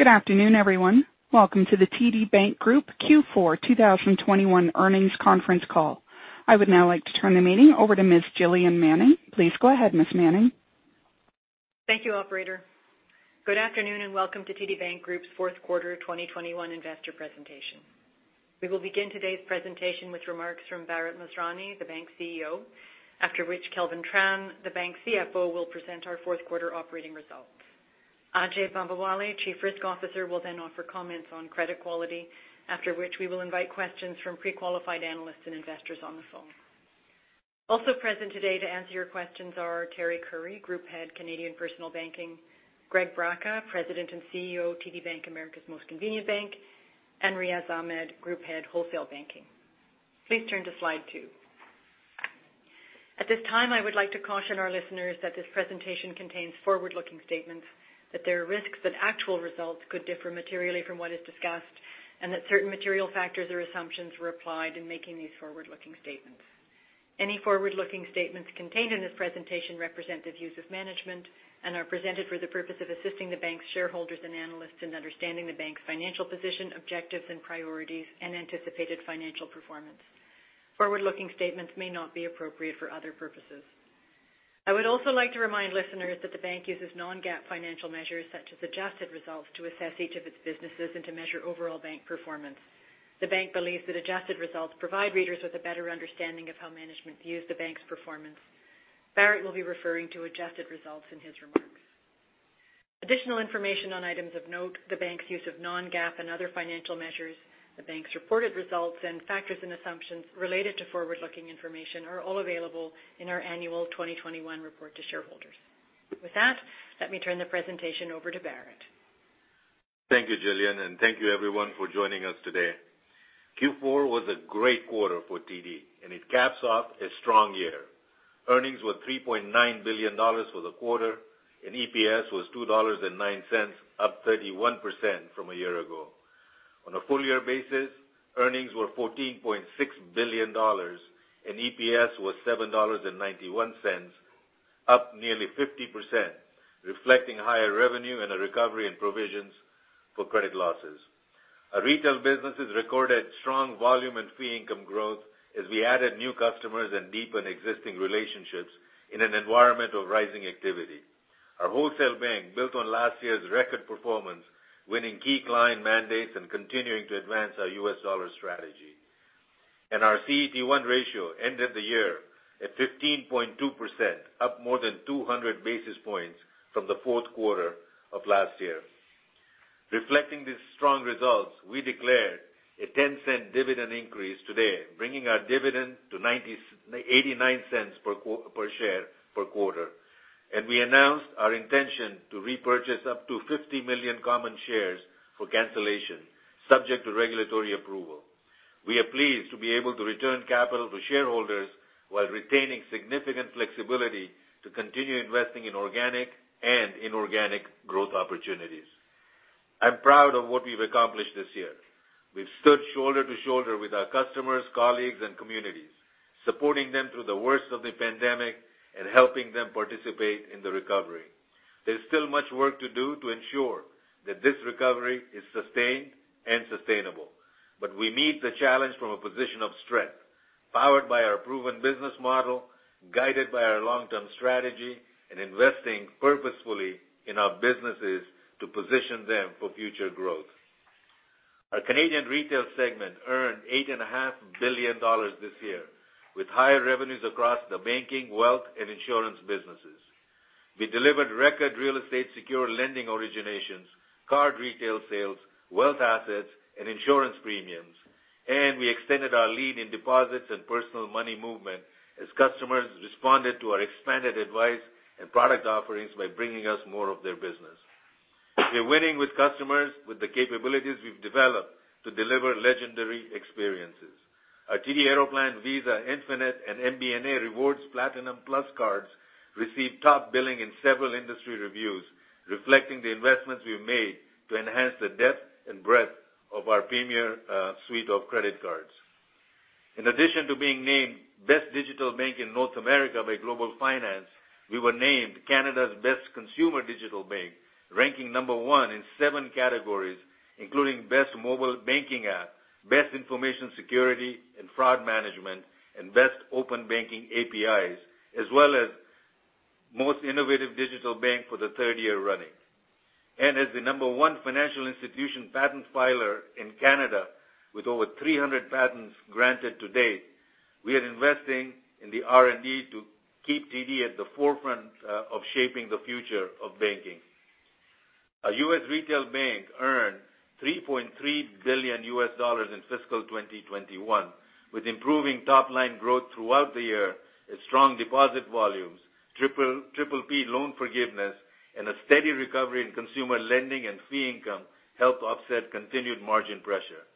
Good afternoon, everyone. Welcome to the TD Bank Group Q4 2021 earnings conference call. I would now like to turn the meeting over to Ms. Gillian Manning. Please go ahead, Ms. Manning. Thank you, operator. Good afternoon, and welcome to TD Bank Group's Q4 2021 investor presentation. We will begin today's presentation with remarks from Bharat Masrani, the bank's CEO, after which Kelvin Tran, the bank's CFO, will present our Q4 operating results. Ajai Bambawale, Chief Risk Officer, will then offer comments on credit quality, after which we will invite questions from pre-qualified analysts and investors on the phone. Also present today to answer your questions are Teri Currie, Group Head, Canadian Personal Banking; Greg Braca, President and CEO, TD Bank, America's Most Convenient Bank; and Riaz Ahmed, Group Head, Wholesale Banking. Please turn to slide two. At this time, I would like to caution our listeners that this presentation contains forward-looking statements, that there are risks that actual results could differ materially from what is discussed, and that certain material factors or assumptions were applied in making these forward-looking statements. Any forward-looking statements contained in this presentation represent the views of management and are presented for the purpose of assisting the bank's shareholders and analysts in understanding the bank's financial position, objectives and priorities, and anticipated financial performance. Forward-looking statements may not be appropriate for other purposes. I would also like to remind listeners that the bank uses non-GAAP financial measures, such as adjusted results, to assess each of its businesses and to measure overall bank performance. The bank believes that adjusted results provide readers with a better understanding of how management views the bank's performance. Bharat will be referring to adjusted results in his remarks. Additional information on items of note, the bank's use of non-GAAP and other financial measures, the bank's reported results, and factors and assumptions related to forward-looking information are all available in our annual 2021 report to shareholders. With that, let me turn the presentation over to Bharat. Thank you, Gillian, and thank you everyone for joining us today. Q4 was a great quarter for TD, and it caps off a strong year. Earnings were 3.9 billion dollars for the quarter, and EPS was 2.09 dollars, up 31% from a year ago. On a full-year basis, earnings were 14.6 billion dollars, and EPS was 7.91 dollars, up nearly 50%, reflecting higher revenue and a recovery in provisions for credit losses. Our retail businesses recorded strong volume and fee income growth as we added new customers and deepened existing relationships in an environment of rising activity. Our wholesale bank built on last year's record performance, winning key client mandates and continuing to advance our US dollar strategy. Our CET1 ratio ended the year at 15.2%, up more than 200 basis points from the Q4 of last year. Reflecting these strong results, we declared a 0.10 dividend increase today, bringing our dividend to 0.89 per share per quarter. We announced our intention to repurchase up to 50 million common shares for cancellation, subject to regulatory approval. We are pleased to be able to return capital to shareholders while retaining significant flexibility to continue investing in organic and inorganic growth opportunities. I'm proud of what we've accomplished this year. We've stood shoulder to shoulder with our customers, colleagues, and communities, supporting them through the worst of the pandemic and helping them participate in the recovery. There's still much work to do to ensure that this recovery is sustained and sustainable, but we meet the challenge from a position of strength, powered by our proven business model, guided by our long-term strategy, and investing purposefully in our businesses to position them for future growth. Our Canadian retail segment earned 8.5 billion dollars this year, with higher revenues across the banking, wealth, and insurance businesses. We delivered record real estate-secured lending originations, card retail sales, wealth assets, and insurance premiums. We extended our lead in deposits and personal money movement as customers responded to our expanded advice and product offerings by bringing us more of their business. We're winning with customers with the capabilities we've developed to deliver legendary experiences. Our TD Aeroplan Visa Infinite and MBNA Rewards Platinum Plus cards received top billing in several industry reviews, reflecting the investments we've made to enhance the depth and breadth of our premier suite of credit cards. In addition to being named Best Digital Bank in North America by Global Finance, we were named Canada's Best Consumer Digital Bank, ranking number one in seven categories, including Best Mobile Banking App, Best Information Security and Fraud Management, and Best Open Banking APIs, as well as Most Innovative Digital Bank for the third year running. As the number one financial institution patent filer in Canada, with over 300 patents granted to date, we are investing in the R&D to keep TD at the forefront of shaping the future of banking. Our U.S. retail bank earned $3.3 billion in fiscal 2021, with improving top-line growth throughout the year as strong deposit volumes, PPP loan forgiveness, and a steady recovery in consumer lending and fee income helped offset continued margin pressure.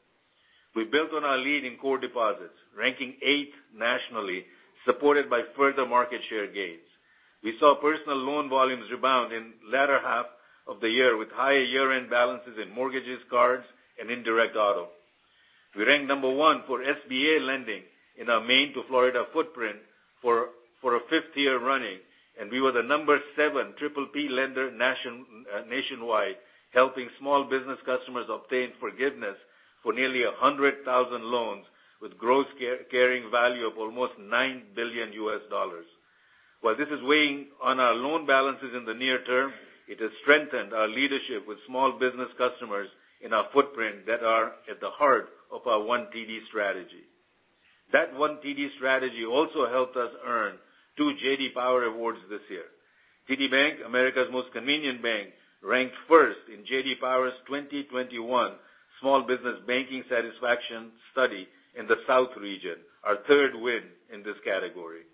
We built on our lead in core deposits, ranking eighth nationally, supported by further market share gains. We saw personal loan volumes rebound in latter half of the year with higher year-end balances in mortgages, cards, and indirect auto. We ranked number one for SBA lending in our Maine to Florida footprint for a fifth year running, and we were the number seven PPP lender nationwide, helping small business customers obtain forgiveness for nearly 100,000 loans with gross carrying value of almost $9 billion. While this is weighing on our loan balances in the near term, it has strengthened our leadership with small business customers in our footprint that are at the heart of our One TD strategy. That One TD strategy also helped us earn two J.D. Power awards this year. TD Bank, America's Most Convenient Bank, ranked first in J.D. Power's 2021 Small Business Banking Satisfaction Study in the South region, our third win in this category.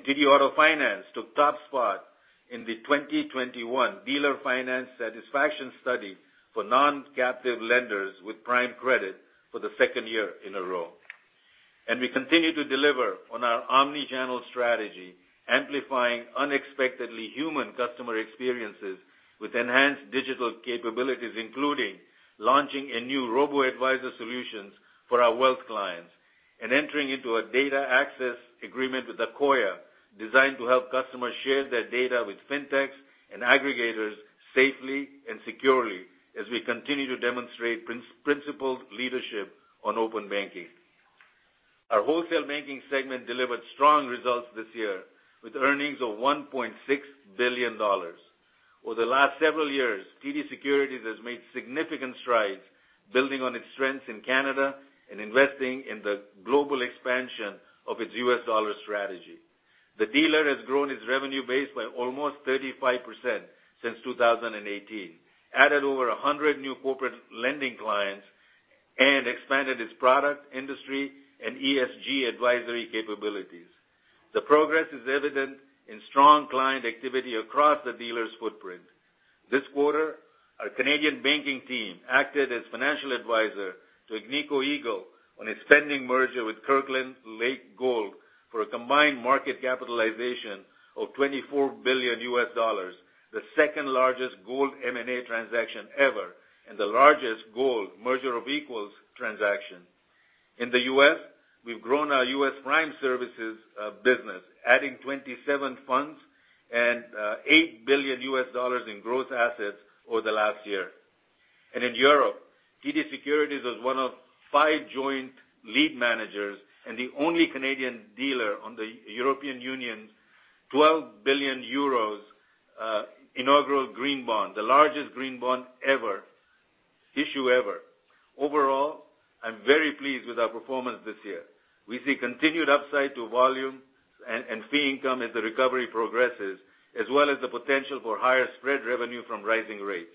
TD Auto Finance took top spot in the 2021 Dealer Finance Satisfaction Study for non-captive lenders with prime credit for the second year in a row. We continue to deliver on our omni-channel strategy, amplifying unexpectedly human customer experiences with enhanced digital capabilities, including launching a new robo-advisor solutions for our wealth clients and entering into a data access agreement with Akoya, designed to help customers share their data with fintechs and aggregators safely and securely as we continue to demonstrate principled leadership on open banking. Our Wholesale Banking segment delivered strong results this year with earnings of 1.6 billion dollars. Over the last several years, TD Securities has made significant strides building on its strengths in Canada and investing in the global expansion of its U.S. dollar strategy. The dealer has grown its revenue base by almost 35% since 2018, added over 100 new corporate lending clients, and expanded its product, industry, and ESG advisory capabilities. The progress is evident in strong client activity across the dealer's footprint. This quarter, our Canadian banking team acted as financial advisor to Agnico Eagle on its pending merger with Kirkland Lake Gold for a combined market capitalization of $24 billion, the second-largest gold M&A transaction ever and the largest gold merger of equals transaction. In the U.S., we've grown our US prime services business, adding 27 funds and $8 billion in growth assets over the last year. In Europe, TD Securities was one of five joint lead managers and the only Canadian dealer on the European Union's 12 billion euros inaugural green bond, the largest green bond issue ever. Overall, I'm very pleased with our performance this year. We see continued upside to volume and fee income as the recovery progresses, as well as the potential for higher spread revenue from rising rates.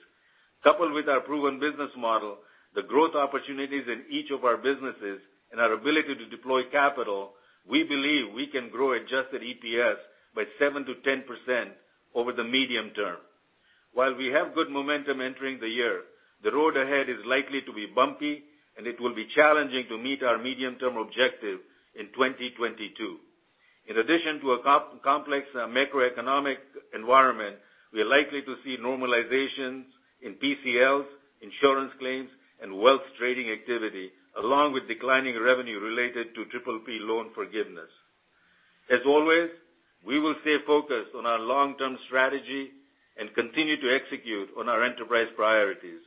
Coupled with our proven business model, the growth opportunities in each of our businesses and our ability to deploy capital, we believe we can grow adjusted EPS by 7%-10% over the medium term. While we have good momentum entering the year, the road ahead is likely to be bumpy, and it will be challenging to meet our medium-term objective in 2022. In addition to a complex macroeconomic environment, we are likely to see normalizations in PCLs, insurance claims, and wealth trading activity, along with declining revenue related to PPP loan forgiveness. As always, we will stay focused on our long-term strategy and continue to execute on our enterprise priorities,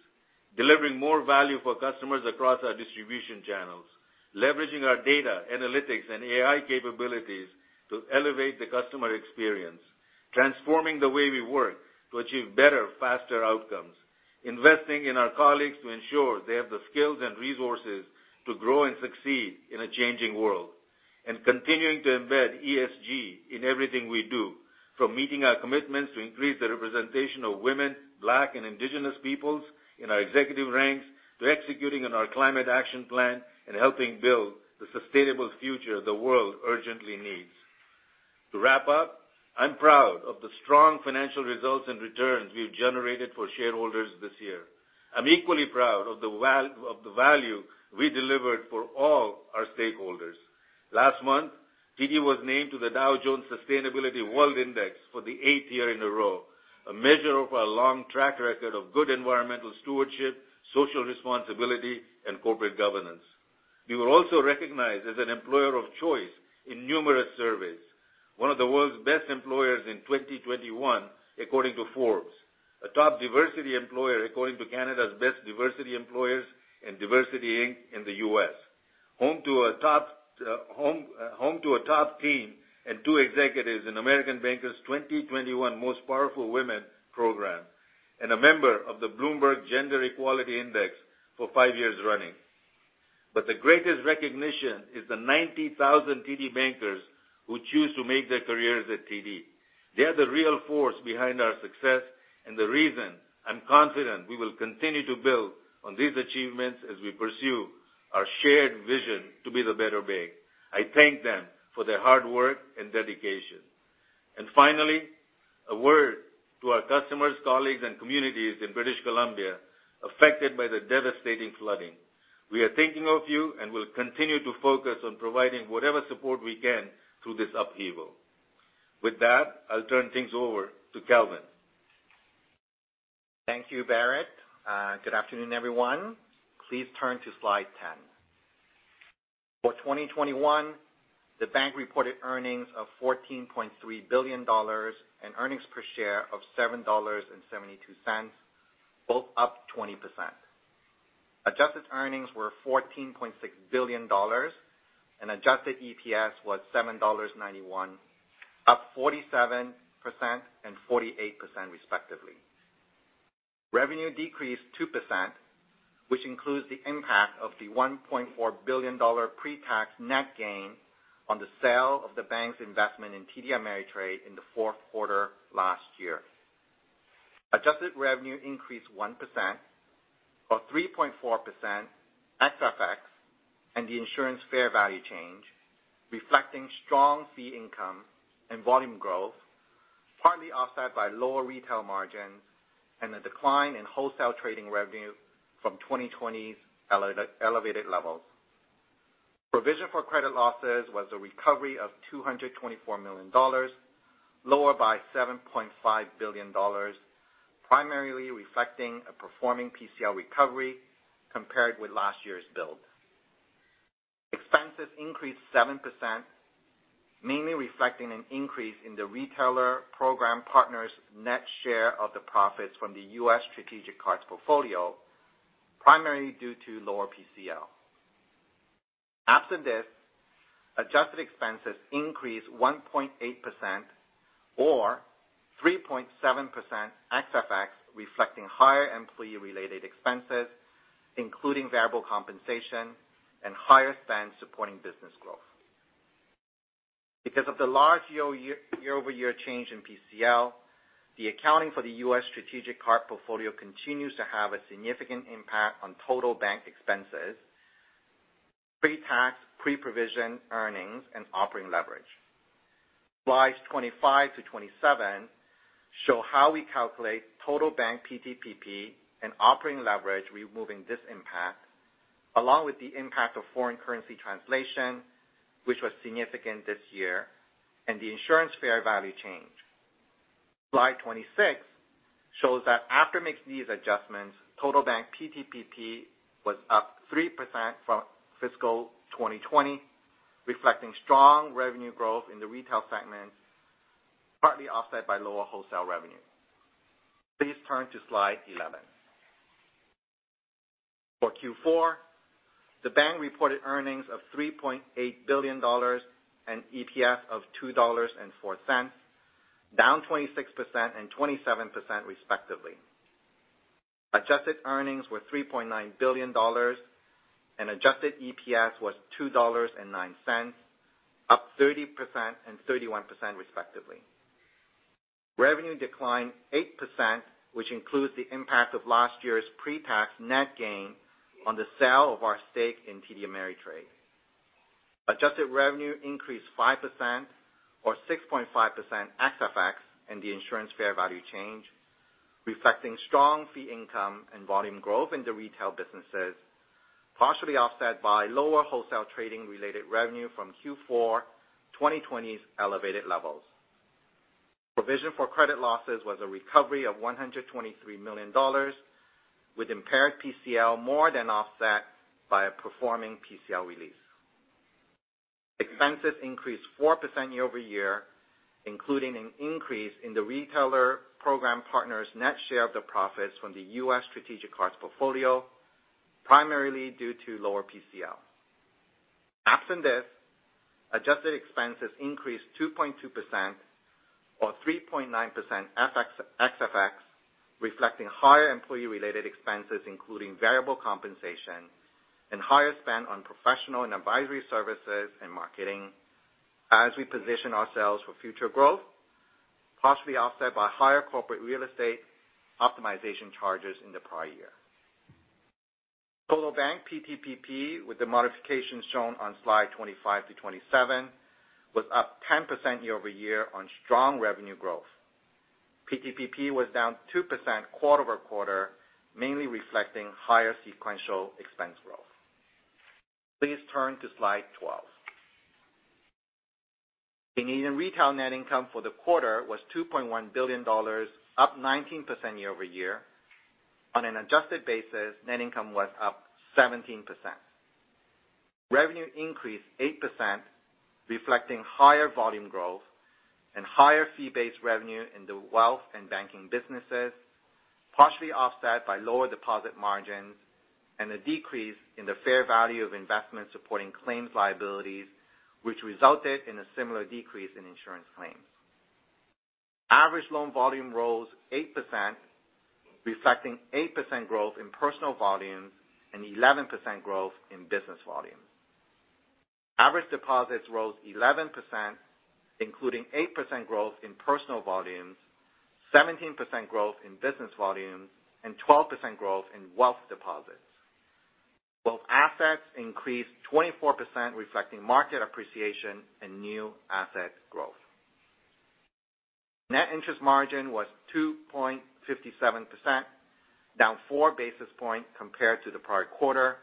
delivering more value for customers across our distribution channels, leveraging our data, analytics, and AI capabilities to elevate the customer experience, transforming the way we work to achieve better, faster outcomes, investing in our colleagues to ensure they have the skills and resources to grow and succeed in a changing world, and continuing to embed ESG in everything we do, from meeting our commitments to increase the representation of women, black and indigenous peoples in our executive ranks, to executing on our climate action plan and helping build the sustainable future the world urgently needs. To wrap up, I'm proud of the strong financial results and returns we've generated for shareholders this year. I'm equally proud of the value we delivered for all our stakeholders. Last month, TD was named to the Dow Jones Sustainability World Index for the eighth year in a row, a measure of our long track record of good environmental stewardship, social responsibility, and corporate governance. We were also recognized as an employer of choice in numerous surveys. One of the world's best employers in 2021, according to Forbes. A top diversity employer according to Canada's best diversity employers and DiversityInc in the U.S.. Home to a top team and two executives in American Banker's 2021 Most Powerful Women program, and a member of the Bloomberg Gender-Equality Index for five years running. The greatest recognition is the 90,000 TD bankers who choose to make their careers at TD. They are the real force behind our success and the reason I'm confident we will continue to build on these achievements as we pursue our shared vision to be the better bank. I thank them for their hard work and dedication. Finally, a word to our customers, colleagues, and communities in British Columbia affected by the devastating flooding. We are thinking of you and will continue to focus on providing whatever support we can through this upheaval. With that, I'll turn things over to Kelvin. Thank you, Bharat Masrani. Good afternoon, everyone. Please turn to slide 10. For 2021, the bank reported earnings of 14.3 billion dollars and earnings per share of 7.72 dollars, both up 20%. Adjusted earnings were 14.6 billion dollars, and adjusted EPS was 7.91 dollars, up 47% and 48% respectively. Revenue decreased 2%, which includes the impact of the 1.4 billion dollar pre-tax net gain on the sale of the bank's investment in TD Ameritrade in the Q4 last year. Adjusted revenue increased 1%, or 3.4% FX and the insurance fair value change, reflecting strong fee income and volume growth, partly offset by lower retail margins and a decline in wholesale trading revenue from 2020's elevated levels. Provision for credit losses was a recovery of 224 million dollars, lower by 7.5 billion dollars, primarily reflecting a performing PCL recovery compared with last year's build. Expenses increased 7%, mainly reflecting an increase in the retailer program partners' net share of the profits from the U.S. strategic cards portfolio, primarily due to lower PCL. Absent this, adjusted expenses increased 1.8% or 3.7% ex FX, reflecting higher employee-related expenses, including variable compensation and higher spend supporting business growth. Because of the large year-over-year change in PCL, the accounting for the U.S. strategic card portfolio continues to have a significant impact on total bank expenses, pre-tax, pre-provision earnings and operating leverage. Slides 25-27 show how we calculate total bank PTPP and operating leverage, removing this impact, along with the impact of foreign currency translation, which was significant this year, and the insurance fair value change. Slide 26 shows that after making these adjustments, total bank PTPP was up 3% from fiscal 2020, reflecting strong revenue growth in the retail segment, partly offset by lower wholesale revenue. Please turn to slide 11. For Q4, the bank reported earnings of 3.8 billion dollars and EPS of 2.04 dollars, down 26% and 27% respectively. Adjusted earnings were 3.9 billion dollars, and adjusted EPS was 2.09 dollars, up 30% and 31% respectively. Revenue declined 8%, which includes the impact of last year's pre-tax net gain on the sale of our stake in TD Ameritrade. Adjusted revenue increased 5% or 6.5% ex FX, and the insurance fair value change, reflecting strong fee income and volume growth in the retail businesses, partially offset by lower wholesale trading-related revenue from Q4 2020's elevated levels. Provision for credit losses was a recovery of 123 million dollars, with impaired PCL more than offset by a performing PCL release. Expenses increased 4% year-over-year, including an increase in the retailer program partners' net share of the profits from the U.S. strategic cards portfolio, primarily due to lower PCL. Absent this, adjusted expenses increased 2.2% or 3.9% ex-FX, reflecting higher employee-related expenses, including variable compensation and higher spend on professional and advisory services and marketing as we position ourselves for future growth, partially offset by higher corporate real estate optimization charges in the prior year. Total Bank PTPP, with the modifications shown on slide 25 to 27, was up 10% year-over-year on strong revenue growth. PTPP was down 2% quarter-over-quarter, mainly reflecting higher sequential expense growth. Please turn to slide 12. Canadian retail net income for the quarter was 2.1 billion dollars, up 19% year-over-year. On an adjusted basis, net income was up 17%. Revenue increased 8%, reflecting higher volume growth and higher fee-based revenue in the wealth and banking businesses, partially offset by lower deposit margins and a decrease in the fair value of investments supporting claims liabilities, which resulted in a similar decrease in insurance claims. Average loan volume rose 8%, reflecting 8% growth in personal volumes and 11% growth in business volumes. Average deposits rose 11%, including 8% growth in personal volumes, 17% growth in business volumes, and 12% growth in wealth deposits, while assets increased 24%, reflecting market appreciation and new asset growth. Net interest margin was 2.57%, down 4 basis points compared to the prior quarter,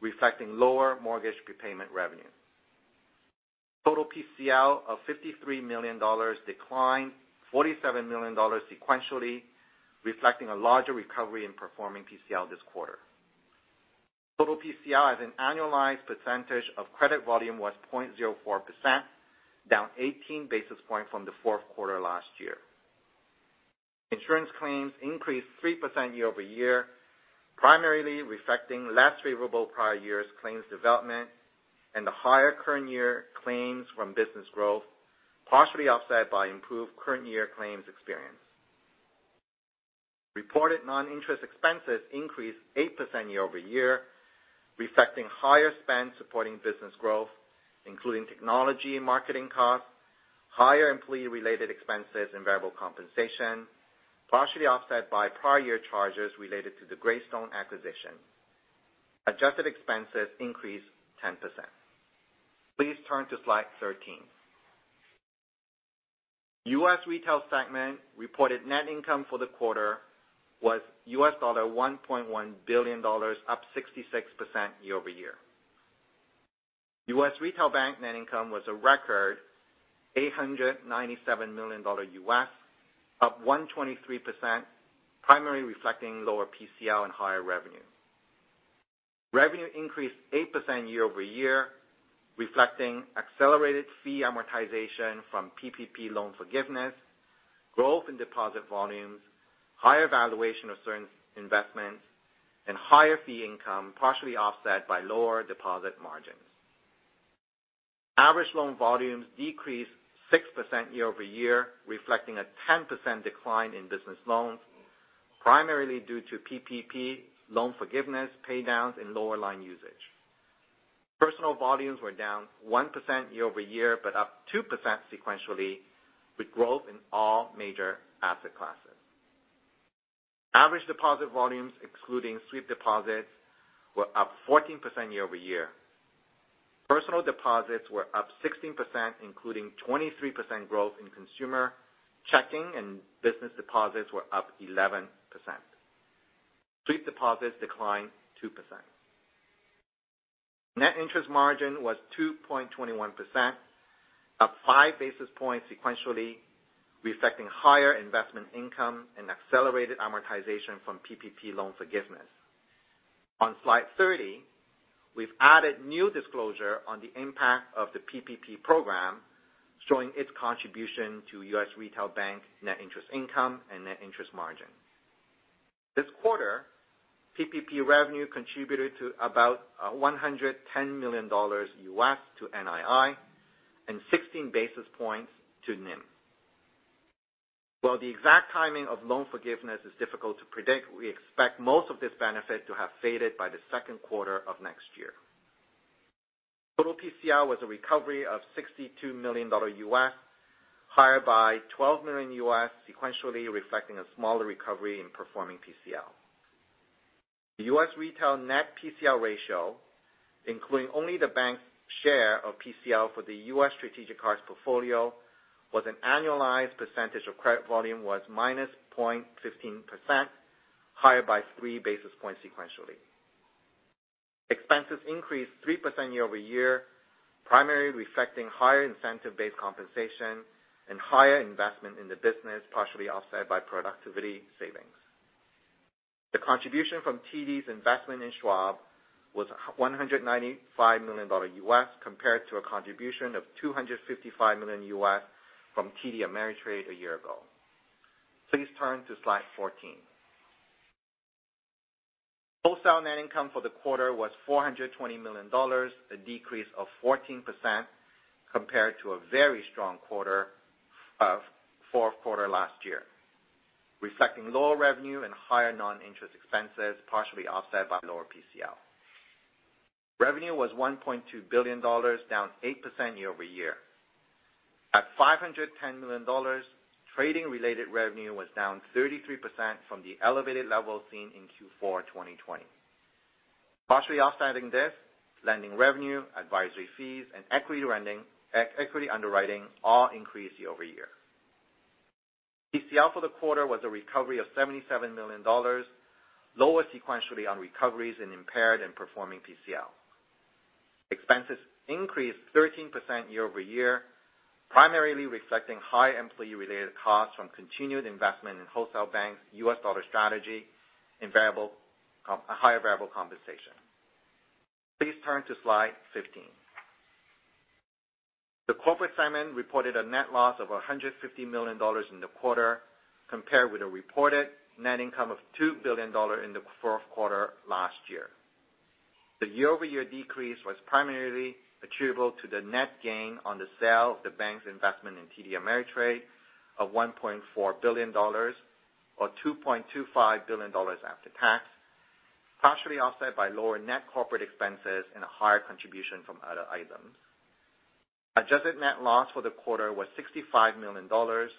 reflecting lower mortgage prepayment revenue. Total PCL of 53 million dollars declined 47 million dollars sequentially, reflecting a larger recovery in performing PCL this quarter. Total PCL as an annualized percentage of credit volume was 0.04%, down 18 basis points from the Q4 last year. Insurance claims increased 3% year-over-year, primarily reflecting less favorable prior years claims development and the higher current year claims from business growth, partially offset by improved current year claims experience. Reported non-interest expenses increased 8% year-over-year, reflecting higher spend supporting business growth, including technology and marketing costs, higher employee related expenses and variable compensation, partially offset by prior year charges related to the Greystone acquisition. Adjusted expenses increased 10%. Please turn to slide 13. US Retail segment reported net income for the quarter was $1.1 billion, up 66% year-over-year. US Retail Bank net income was a record $897 million, up 123%, primarily reflecting lower PCL and higher revenue. Revenue increased 8% year-over-year, reflecting accelerated fee amortization from PPP loan forgiveness, growth in deposit volumes, higher valuation of certain investments, and higher fee income partially offset by lower deposit margins. Average loan volumes decreased 6% year-over-year, reflecting a 10% decline in business loans, primarily due to PPP loan forgiveness, pay downs and lower line usage. Personal volumes were down 1% year-over-year, but up 2% sequentially, with growth in all major asset classes. Average deposit volumes, excluding sweep deposits, were up 14% year-over-year. Personal deposits were up 16%, including 23% growth in consumer checking and business deposits were up 11%. Sweep deposits declined 2%. Net interest margin was 2.21%, up 5 basis points sequentially, reflecting higher investment income and accelerated amortization from PPP loan forgiveness. On slide 30, we've added new disclosure on the impact of the PPP program, showing its contribution to US Retail Bank net interest income and net interest margin. This quarter, PPP revenue contributed to about $110 million to NII and 16 basis points to NIM. While the exact timing of loan forgiveness is difficult to predict, we expect most of this benefit to have faded by the Q2 of next year. Total PCL was a recovery of $62 million, higher by $12 million sequentially, reflecting a smaller recovery in performing PCL. The US Retail net PCL ratio, including only the bank's share of PCL for the U.S. strategic cards portfolio, was an annualized percentage of credit volume -0.15%, higher by 3 basis points sequentially. Expenses increased 3% year-over-year, primarily reflecting higher incentive-based compensation and higher investment in the business, partially offset by productivity savings. The contribution from TD's investment in Schwab was $195 million compared to a contribution of $255 million from TD Ameritrade a year ago. Please turn to slide 14. Wholesale net income for the quarter was 420 million dollars, a decrease of 14% compared to a very strong Q4 last year, reflecting lower revenue and higher non-interest expenses, partially offset by lower PCL. Revenue was 1.2 billion dollars, down 8% year-over-year. At 510 million dollars, trading-related revenue was down 33% from the elevated level seen in Q4 2020. Partially offsetting this, lending revenue, advisory fees, and equity underwriting all increased year-over-year. PCL for the quarter was a recovery of 77 million dollars, lower sequentially on recoveries in impaired and performing PCL. Expenses increased 13% year-over-year, primarily reflecting high employee-related costs from continued investment in Wholesale Banking's US dollar strategy and higher variable compensation. Please turn to slide 15. The corporate segment reported a net loss of 150 million dollars in the quarter compared with a reported net income of 2 billion dollars in the Q4 last year. The year-over-year decrease was primarily attributable to the net gain on the sale of the bank's investment in TD Ameritrade of 1.4 billion dollars or 2.25 billion dollars after tax, partially offset by lower net corporate expenses and a higher contribution from other items. Adjusted net loss for the quarter was 65 million dollars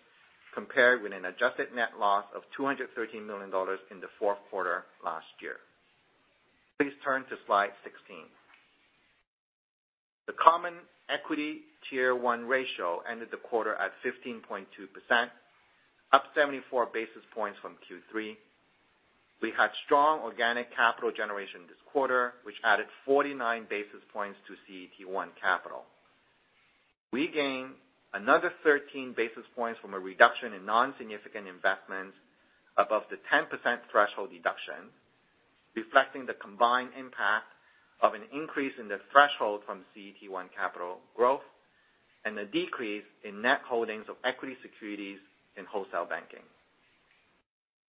compared with an adjusted net loss of 213 million dollars in the Q4 last year. Please turn to slide 16. The common equity tier one ratio ended the quarter at 15.2%, up 74 basis points from Q3. We had strong organic capital generation this quarter, which added 49 basis points to CET1 capital. We gained another 13 basis points from a reduction in non-significant investments above the 10% threshold deduction, reflecting the combined impact of an increase in the threshold from CET1 capital growth and a decrease in net holdings of equity securities in Wholesale Banking.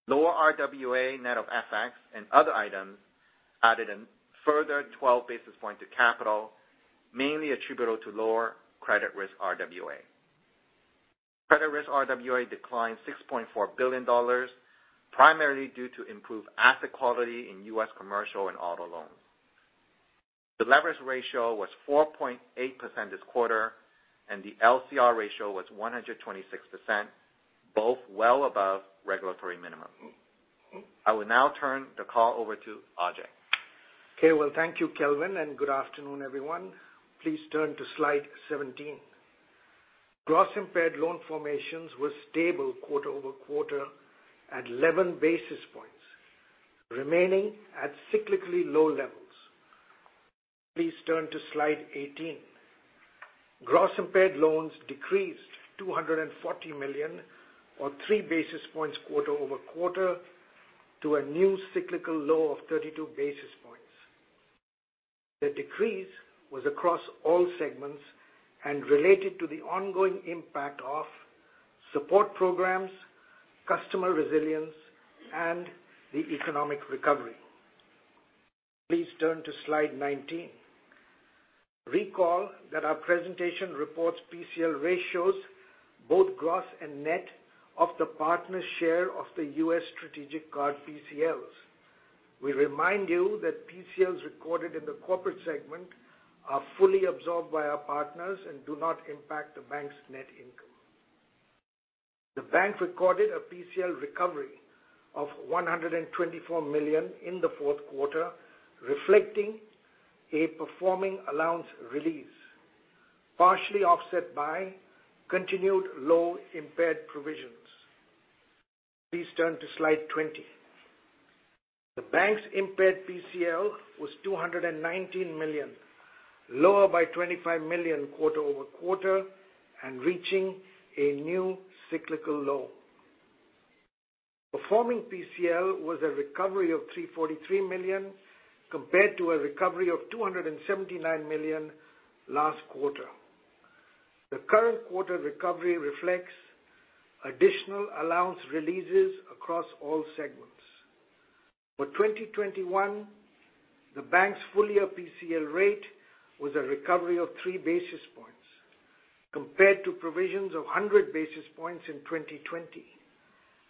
Lower RWA, net of FX and other items, added a further 12 basis points to capital, mainly attributable to lower credit risk RWA. Credit risk RWA declined $6.4 billion, primarily due to improved asset quality in U.S. commercial and auto loans. The leverage ratio was 4.8% this quarter, and the LCR ratio was 126%, both well above regulatory minimum. I will now turn the call over to Ajai. Okay. Well, thank you, Kelvin, and good afternoon, everyone. Please turn to slide 17. Gross impaired loan formations were stable quarter-over-quarter at 11 basis points, remaining at cyclically low levels. Please turn to slide 18. Gross impaired loans decreased 240 million or 3 basis points quarter-over-quarter to a new cyclical low of 32 basis points. The decrease was across all segments and related to the ongoing impact of support programs, customer resilience, and the economic recovery. Please turn to slide 19. Recall that our presentation reports PCL ratios, both gross and net, of the partner share of the U.S. strategic card PCLs. We remind you that PCLs recorded in the corporate segment are fully absorbed by our partners and do not impact the bank's net income. The bank recorded a PCL recovery of 124 million in the Q4, reflecting a performing allowance release, partially offset by continued low impaired provisions. Please turn to slide 20. The bank's impaired PCL was 219 million, lower by 25 million quarter-over-quarter and reaching a new cyclical low. Performing PCL was a recovery of 343 million compared to a recovery of 279 million last quarter. The current quarter recovery reflects additional allowance releases across all segments. For 2021, the bank's full-year PCL rate was a recovery of 3 basis points compared to provisions of 100 basis points in 2020,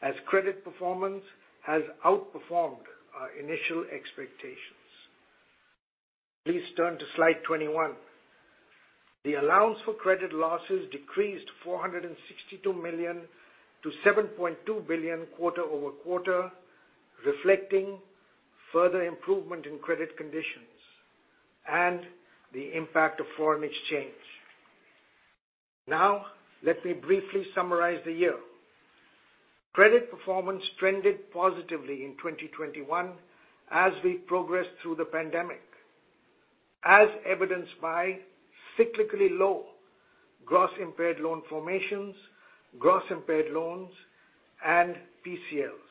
as credit performance has outperformed our initial expectations. Please turn to slide 21. The allowance for credit losses decreased 462 million to 7.2 billion quarter-over-quarter, reflecting further improvement in credit conditions and the impact of foreign exchange. Now let me briefly summarize the year. Credit performance trended positively in 2021 as we progressed through the pandemic, as evidenced by cyclically low gross impaired loan formations, gross impaired loans, and PCLs.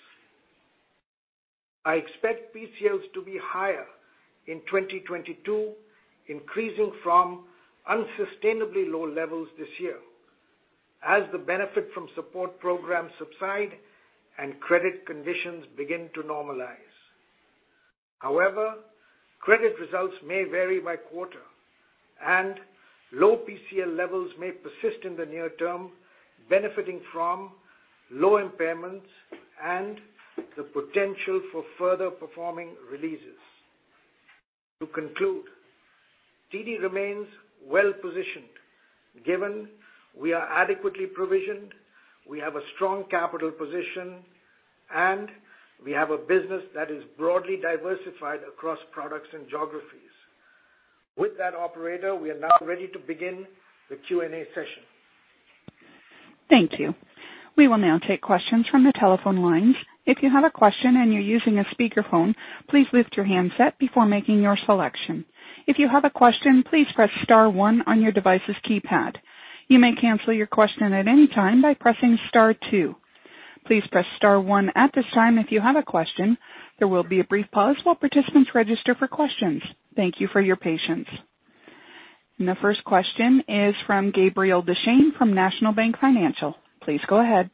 I expect PCLs to be higher in 2022, increasing from unsustainably low levels this year as the benefit from support programs subside and credit conditions begin to normalize. However, credit results may vary by quarter and low PCL levels may persist in the near term, benefiting from low impairments and the potential for further performing releases. To conclude, TD remains well-positioned given we are adequately provisioned, we have a strong capital position, and we have a business that is broadly diversified across products and geographies. With that, operator, we are now ready to begin the Q&A session. Thank you. We will now take questions from the telephone lines. If you have a question and you're using a speakerphone, please lift your handset before making your selection. If you have a question, please press star one on your device's keypad. You may cancel your question at any time by pressing star two. Please press star one at this time if you have a question. There will be a brief pause while participants register for questions. Thank you for your patience. The first question is from Gabriel Dechaine from National Bank Financial. Please go ahead.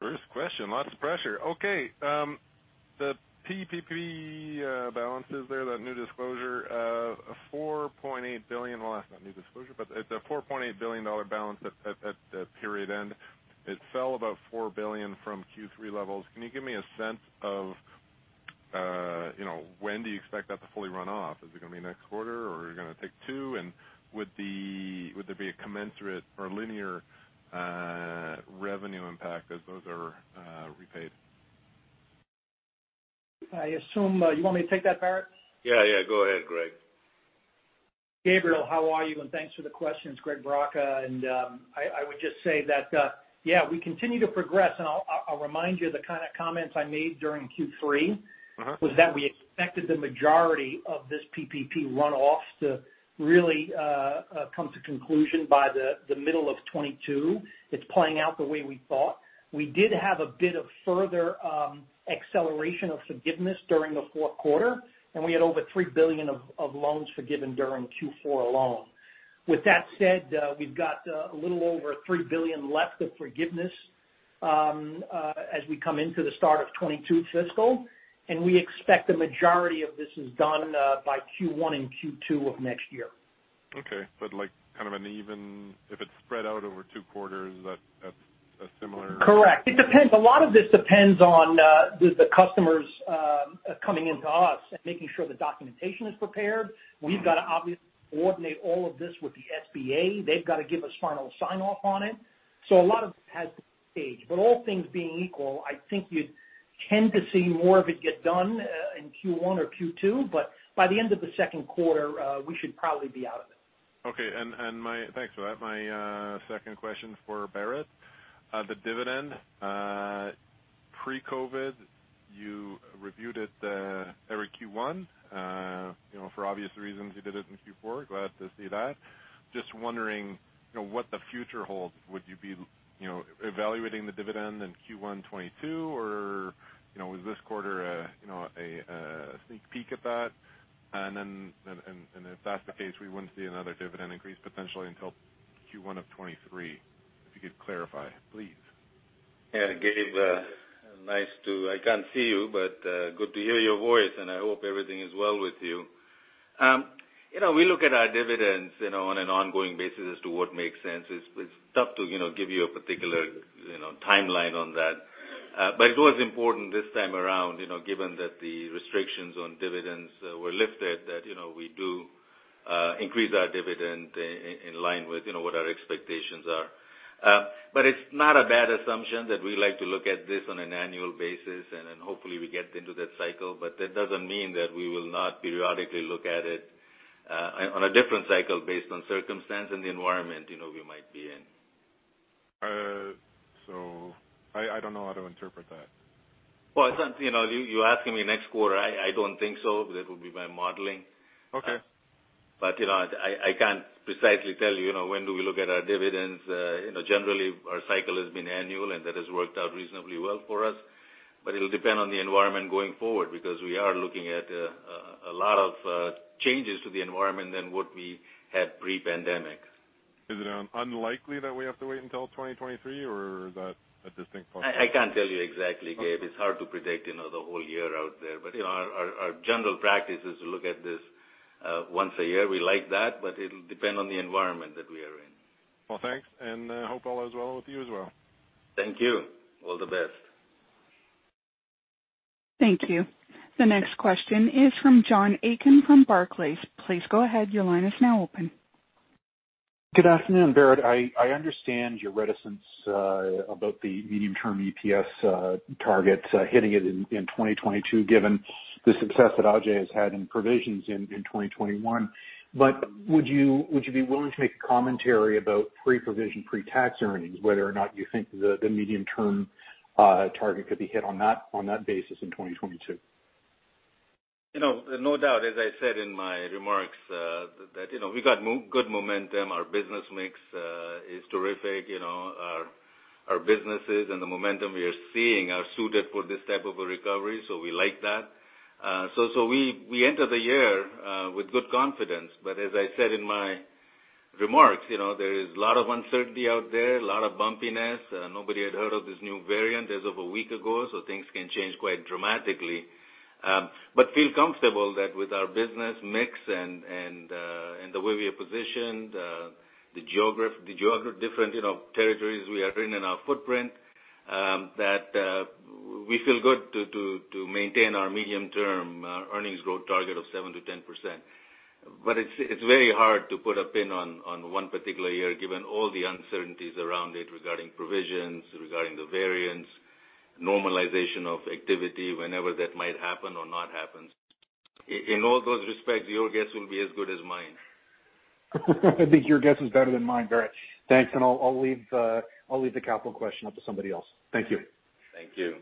First question. Lots of pressure. Okay, the PPP balances there, that new disclosure, $4.8 billion. Well, that's not new disclosure, but it's a $4.8 billion dollar balance at period end. It fell about $4 billion from Q3 levels. Can you give me a sense of, you know, when do you expect that to fully run off? Is it gonna be next quarter, or you're gonna take two? Would there be a commensurate or linear revenue impact as those are repaid? I assume you want me to take that, Bharat? Yeah, yeah, go ahead, Greg. Gabriel, how are you? Thanks for the questions. Greg Braca. I would just say that yeah, we continue to progress, and I'll remind you of the kind of comments I made during Q3. Mm-hmm. What we expected the majority of this PPP runoff to really come to conclusion by the middle of 2022. It's playing out the way we thought. We did have a bit of further acceleration of forgiveness during the Q4, and we had over $3 billion of loans forgiven during Q4 alone. With that said, we've got a little over $3 billion left of forgiveness as we come into the start of 2022 fiscal, and we expect the majority of this is done by Q1 and Q2 of next year. Okay. Like kind of if it's spread out over two quarters, that's similar? Correct. It depends. A lot of this depends on the customers coming into us and making sure the documentation is prepared. We've got to coordinate all of this with the SBA. They've got to give us final sign-off on it. A lot of it has to wait. All things being equal, I think you'd tend to see more of it get done in Q1 or Q2. By the end of the Q2, we should probably be out of it. Thanks for that. My second question is for Bharat. The dividend pre-COVID, you reviewed it every Q1. You know, for obvious reasons, you did it in Q4. Glad to see that. Just wondering, you know, what the future holds. Would you be, you know, evaluating the dividend in Q1 2022, or, you know, was this quarter a sneak peek at that? If that's the case, we wouldn't see another dividend increase potentially until Q1 of 2023. If you could clarify, please. Yeah. Gabe, I can't see you, but good to hear your voice, and I hope everything is well with you. You know, we look at our dividends, you know, on an ongoing basis as to what makes sense. It's tough to, you know, give you a particular, you know, timeline on that. It was important this time around, you know, given that the restrictions on dividends were lifted, that, you know, we do increase our dividend in line with, you know, what our expectations are. It's not a bad assumption that we like to look at this on an annual basis, and then hopefully we get into that cycle. That doesn't mean that we will not periodically look at it, on a different cycle based on circumstance and the environment, you know, we might be in. I don't know how to interpret that. Well, it's not, you know. You're asking me next quarter. I don't think so. That would be my modeling. Okay. I can't precisely tell you know, when do we look at our dividends? You know, generally our cycle has been annual, and that has worked out reasonably well for us. It'll depend on the environment going forward because we are looking at a lot of changes to the environment than what we had pre-pandemic. Is it unlikely that we have to wait until 2023, or is that a distinct possibility? I can't tell you exactly, Gabe. Okay. It's hard to predict, you know, the whole year out there. You know, our general practice is to look at this once a year. We like that, but it'll depend on the environment that we are in. Well, thanks, and, hope all is well with you as well. Thank you. All the best. Thank you. The next question is from John Aiken from Barclays. Please go ahead. Your line is now open. Good afternoon, Bharat. I understand your reticence about the medium-term EPS targets hitting it in 2022, given the success that Ajai has had in provisions in 2021. Would you be willing to make a commentary about pre-provision, pre-tax earnings, whether or not you think the medium-term target could be hit on that basis in 2022? You know, no doubt, as I said in my remarks, you know, we got good momentum. Our business mix is terrific. You know, our businesses and the momentum we are seeing are suited for this type of a recovery, so we like that. We enter the year with good confidence. As I said in my remarks, you know, there is a lot of uncertainty out there, a lot of bumpiness. Nobody had heard of this new variant as of a week ago, so things can change quite dramatically. Feel comfortable that with our business mix and the way we are positioned, the different, you know, territories we are in in our footprint, that we feel good to maintain our medium-term earnings growth target of 7%-10%. It's very hard to put a pin on one particular year given all the uncertainties around it regarding provisions, regarding the variants, normalization of activity, whenever that might happen or not happen. In all those respects, your guess will be as good as mine. I think your guess is better than mine, Bharat. Thanks, and I'll leave the capital question up to somebody else. Thank you. Thank you.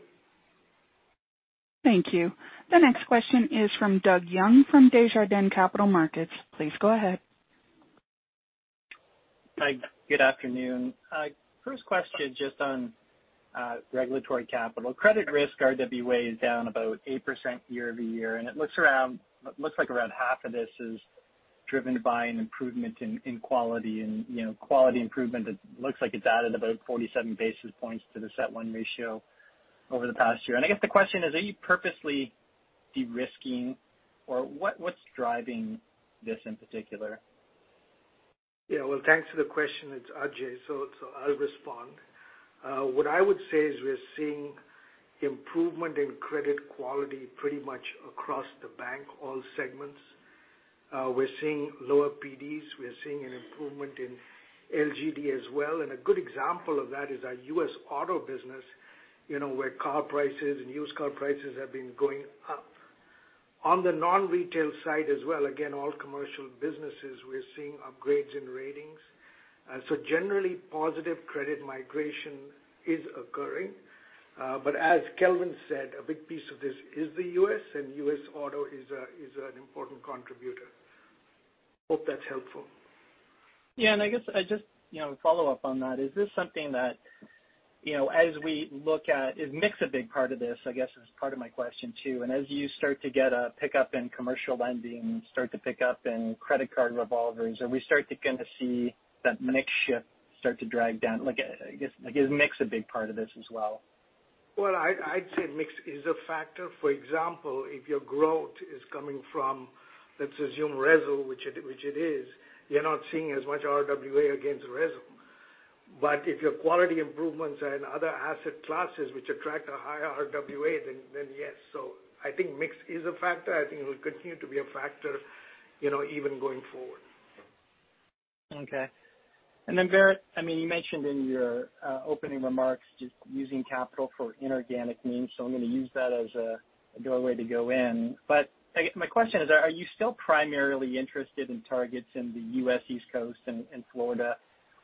Thank you. The next question is from Doug Young from Desjardins Capital Markets. Please go ahead. Hi. Good afternoon. First question just on regulatory capital. Credit risk RWA is down about 8% year-over-year, and it looks like around half of this is driven by an improvement in quality and, you know, quality improvement, it looks like it's added about 47 basis points to the CET1 ratio over the past year. I guess the question is, are you purposely de-risking or what's driving this in particular? Yeah. Well, thanks for the question. It's Ajai, so I'll respond. What I would say is we're seeing improvement in credit quality pretty much across the bank, all segments. We're seeing lower PDs. We're seeing an improvement in LGD as well. A good example of that is our US Auto business. You know, where car prices and used car prices have been going up. On the non-retail side as well, again, all commercial businesses, we're seeing upgrades in ratings. So generally positive credit migration is occurring. But as Kelvin said, a big piece of this is the U.S., and US Auto is an important contributor. Hope that's helpful. Yeah. I guess I just, you know, follow up on that. Is this something that, you know, as we look at, is mix a big part of this, I guess, is part of my question too. As you start to get a pickup in commercial lending, start to pick up in credit card revolvers, are we starting to kinda see that mix shift start to drive down? Like, I guess, like, is mix a big part of this as well? Well, I'd say mix is a factor. For example, if your growth is coming from, let's assume resi, which it is, you're not seeing as much RWA against resi. But if your quality improvements are in other asset classes which attract a higher RWA, then yes. So I think mix is a factor. I think it will continue to be a factor, you know, even going forward. Okay. Then, Bharat, I mean, you mentioned in your opening remarks just using capital for inorganic means, so I'm gonna use that as a doorway to go in. But I guess my question is, are you still primarily interested in targets in the U.S. East Coast and Florida,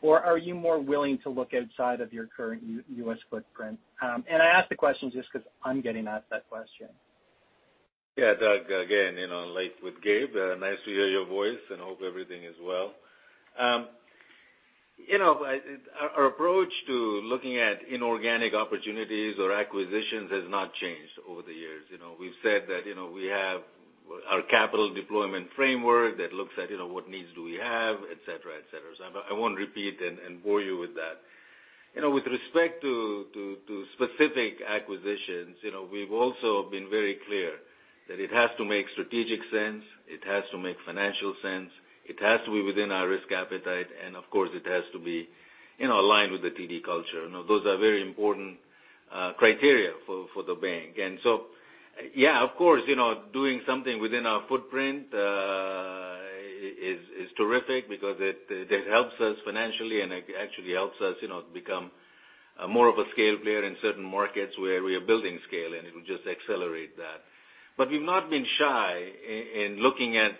or are you more willing to look outside of your current U.S. footprint? I ask the question just 'cause I'm getting asked that question. Yeah. Doug, again, you know, like with Gabe, nice to hear your voice, and hope everything is well. You know, our approach to looking at inorganic opportunities or acquisitions has not changed over the years. You know, we've said that, you know, we have our capital deployment framework that looks at, you know, what needs do we have, et cetera, et cetera. I won't repeat and bore you with that. You know, with respect to specific acquisitions, you know, we've also been very clear that it has to make strategic sense, it has to make financial sense, it has to be within our risk appetite, and of course it has to be, you know, aligned with the TD culture. You know, those are very important criteria for the bank. Yeah, of course, you know, doing something within our footprint is terrific because it helps us financially and it actually helps us, you know, become more of a scale player in certain markets where we are building scale, and it'll just accelerate that. We've not been shy in looking at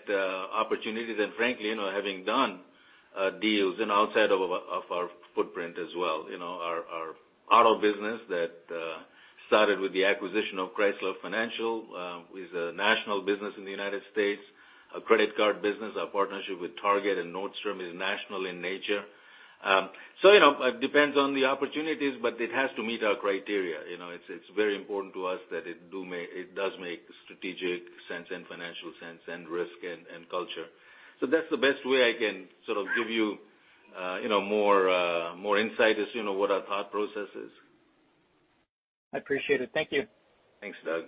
opportunities and frankly, you know, having done deals outside of our footprint as well. You know, our auto business that started with the acquisition of Chrysler Financial is a national business in the United States. Our credit card business, our partnership with Target and Nordstrom is national in nature. You know, it depends on the opportunities, but it has to meet our criteria. You know, it's very important to us that it does make strategic sense and financial sense and risk and culture. That's the best way I can sort of give you know, more insight as, you know, what our thought process is. I appreciate it. Thank you. Thanks, Doug.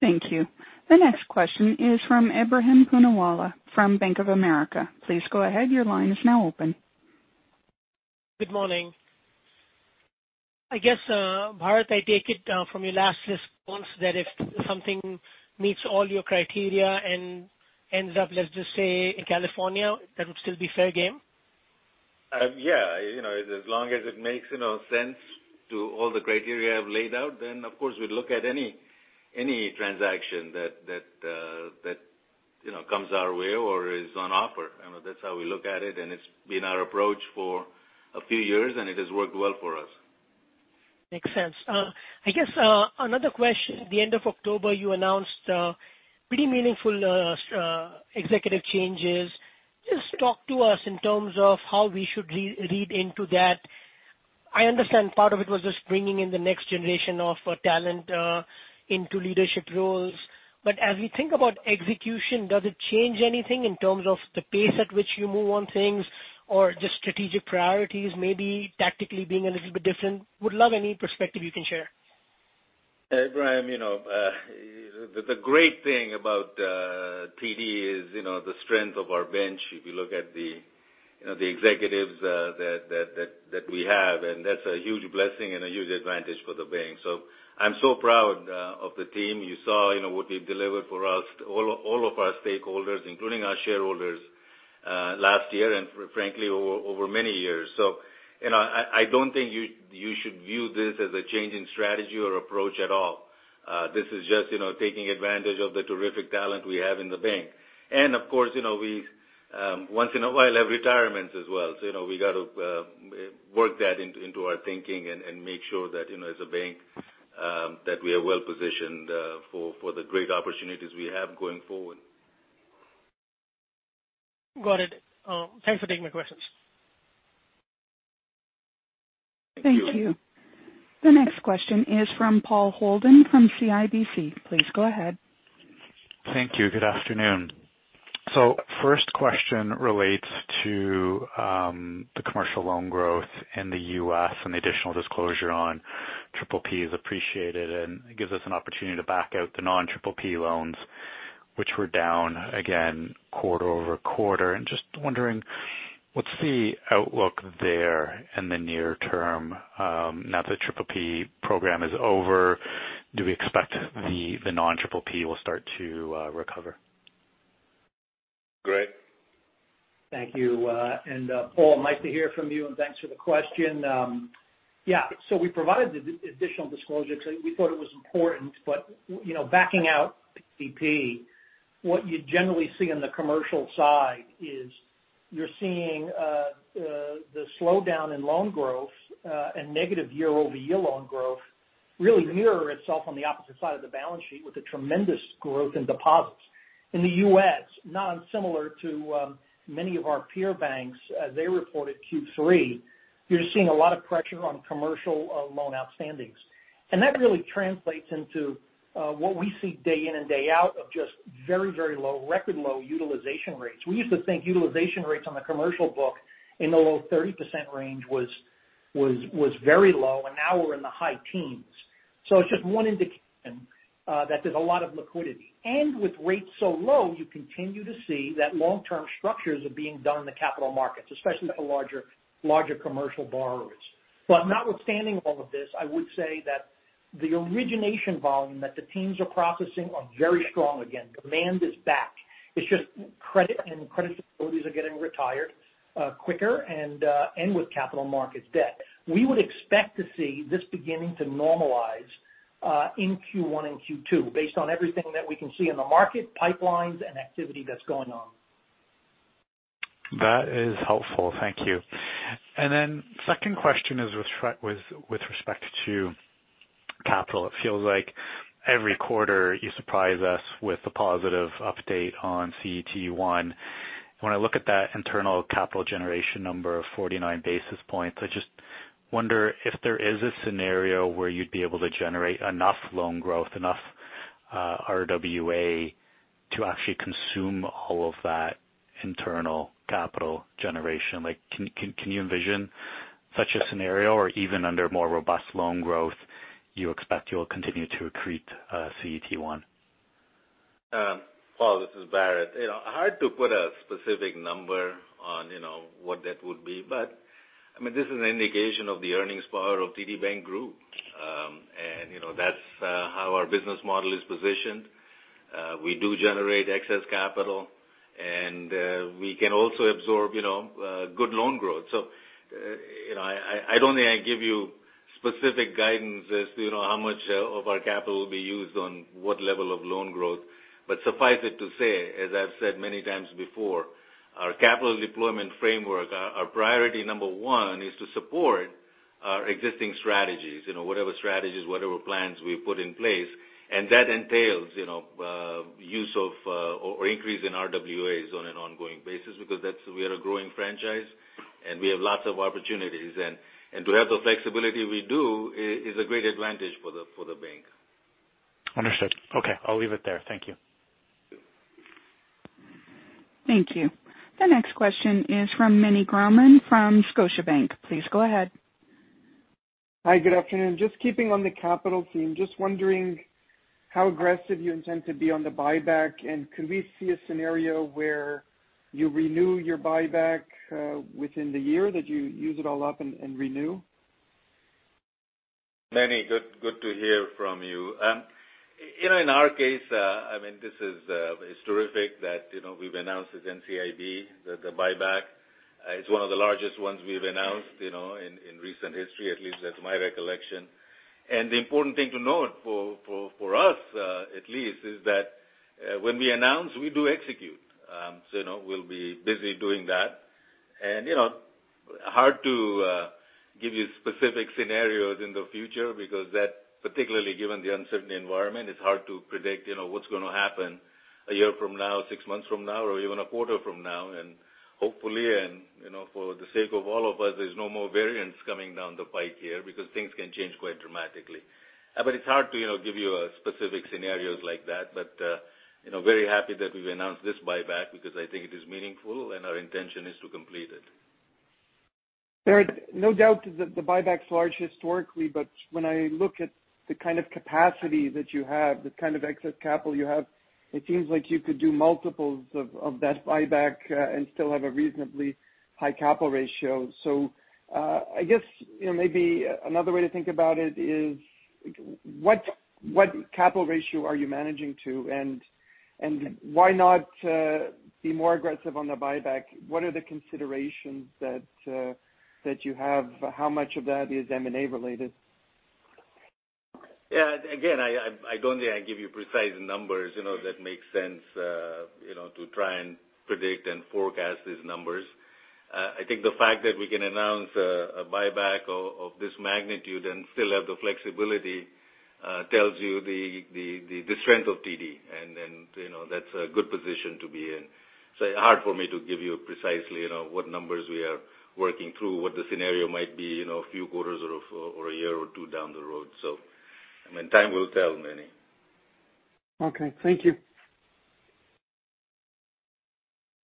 Thank you. The next question is from Ebrahim Poonawala from Bank of America. Please go ahead. Your line is now open. Good morning. I guess, Bharat, I take it, from your last response that if something meets all your criteria and ends up, let's just say, in California, that would still be fair game? Yeah. You know, as long as it makes, you know, sense to all the criteria I've laid out, then of course we'd look at any transaction that you know, comes our way or is on offer. You know, that's how we look at it, and it's been our approach for a few years, and it has worked well for us. Makes sense. I guess another question. At the end of October, you announced pretty meaningful executive changes. Just talk to us in terms of how we should re-read into that. I understand part of it was just bringing in the next generation of talent into leadership roles. As we think about execution, does it change anything in terms of the pace at which you move on things or just strategic priorities, maybe tactically being a little bit different? Would love any perspective you can share. Ebrahim, you know, the great thing about TD is, you know, the strength of our bench, if you look at the, you know, the executives, that we have, and that's a huge blessing and a huge advantage for the bank. So I'm so proud of the team. You saw, you know, what they've delivered for us, all of our stakeholders, including our shareholders, last year, and frankly, over many years. So, you know, I don't think you should view this as a change in strategy or approach at all. This is just, you know, taking advantage of the terrific talent we have in the bank. Of course, you know, we once in a while have retirements as well. You know, we got to work that into our thinking and make sure that, you know, as a bank, that we are well positioned for the great opportunities we have going forward. Got it. Thanks for taking my questions. Thank you. Thank you. The next question is from Paul Holden from CIBC. Please go ahead. Thank you. Good afternoon. First question relates to the commercial loan growth in the U.S. and the additional disclosure on PPP is appreciated, and it gives us an opportunity to back out the non-PPP loans, which were down again quarter-over-quarter. Just wondering what's the outlook there in the near term, now that the PPP program is over, do we expect the non-PPP will start to recover? Greg?. Thank you. Paul, nice to hear from you, and thanks for the question. We provided the additional disclosure 'cause we thought it was important. You know, backing out CP, what you generally see on the commercial side is you're seeing the slowdown in loan growth and negative year-over-year loan growth really mirror itself on the opposite side of the balance sheet with a tremendous growth in deposits. In the U.S., not similar to many of our peer banks as they reported Q3, you're seeing a lot of pressure on commercial loan outstandings. That really translates into what we see day in and day out of just very, very low, record low utilization rates. We used to think utilization rates on the commercial book in the low 30% range was very low, and now we're in the high teens. It's just one indication that there's a lot of liquidity. With rates so low, you continue to see that long-term structures are being done in the capital markets, especially for larger commercial borrowers. Notwithstanding all of this, I would say that the origination volume that the teams are processing are very strong again. Demand is back. It's just credit facilities are getting retired quicker and with capital markets debt. We would expect to see this beginning to normalize in Q1 and Q2 based on everything that we can see in the market pipelines and activity that's going on. That is helpful. Thank you. Second question is with respect to capital. It feels like every quarter you surprise us with a positive update on CET1. When I look at that internal capital generation number of 49 basis points, I just wonder if there is a scenario where you'd be able to generate enough loan growth, RWA to actually consume all of that internal capital generation. Like, can you envision such a scenario? Or even under more robust loan growth, you expect you'll continue to accrete CET1? Paul, this is Bharat. You know, hard to put a specific number on, you know, what that would be. I mean, this is an indication of the earnings power of TD Bank Group. You know, that's how our business model is positioned. We do generate excess capital, and we can also absorb, you know, good loan growth. You know, I don't think I give you specific guidance as to, you know, how much of our capital will be used on what level of loan growth. Suffice it to say, as I've said many times before, our capital deployment framework, our priority number one is to support our existing strategies, you know, whatever strategies, whatever plans we put in place. That entails, you know, use of or increase in RWAs on an ongoing basis because that's. We are a growing franchise, and we have lots of opportunities. To have the flexibility we do is a great advantage for the bank. Understood. Okay, I'll leave it there. Thank you. Thank you. The next question is from Meny Grauman from Scotiabank. Please go ahead. Hi, good afternoon. Just keeping on the capital theme, just wondering how aggressive you intend to be on the buyback, and could we see a scenario where you renew your buyback within the year, that you use it all up and renew? Meny, good to hear from you. You know, in our case, I mean this is terrific that, you know, we've announced at NCIB the buyback. It's one of the largest ones we've announced, you know, in recent history, at least that's my recollection. The important thing to note for us, at least, is that when we announce we do execute. You know, we'll be busy doing that. You know, hard to give you specific scenarios in the future because that particularly given the uncertain environment, it's hard to predict, you know, what's gonna happen a year from now, six months from now, or even a quarter from now. Hopefully, you know, for the sake of all of us, there's no more variants coming down the pipe here because things can change quite dramatically. It's hard to, you know, give you specific scenarios like that. You know, very happy that we've announced this buyback because I think it is meaningful, and our intention is to complete it. Bharat, no doubt that the buyback's large historically, but when I look at the kind of capacity that you have, the kind of excess capital you have, it seems like you could do multiples of that buyback, and still have a reasonably high capital ratio. I guess, you know, maybe another way to think about it is what capital ratio are you managing to? And why not be more aggressive on the buyback? What are the considerations that you have? How much of that is M&A related? Yeah, again, I don't think I give you precise numbers, you know, that make sense, you know, to try and predict and forecast these numbers. I think the fact that we can announce a buyback of this magnitude and still have the flexibility tells you the strength of TD. You know, that's a good position to be in. It's hard for me to give you precisely, you know, what numbers we are working through, what the scenario might be, you know, a few quarters or a year or two down the road. I mean, time will tell, Meny. Okay, thank you.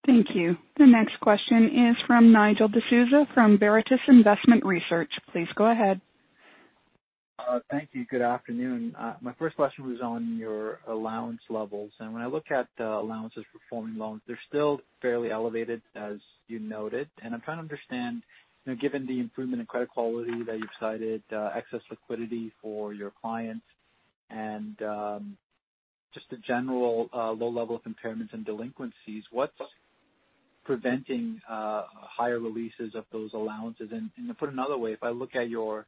Thank you. The next question is from Nigel D'Souza from Veritas Investment Research. Please go ahead. Thank you. Good afternoon. My first question was on your allowance levels. When I look at the allowances for performing loans, they're still fairly elevated, as you noted. I'm trying to understand, you know, given the improvement in credit quality that you've cited, excess liquidity for your clients. Just the general low level of impairments and delinquencies, what's preventing higher releases of those allowances? Put another way, if I look at your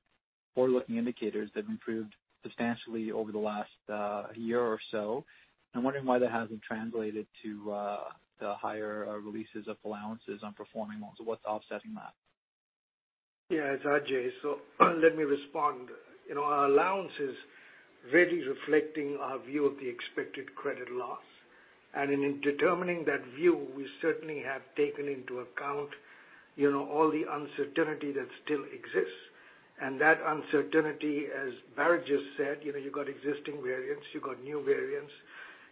forward-looking indicators, they've improved substantially over the last year or so. I'm wondering why that hasn't translated to the higher releases of allowances on performing loans. What's offsetting that? Yeah, it's Ajai. Let me respond. You know, our allowance is really reflecting our view of the expected credit loss. In determining that view, we certainly have taken into account, you know, all the uncertainty that still exists. That uncertainty, as Bharat just said, you know, you've got existing variants, you've got new variants,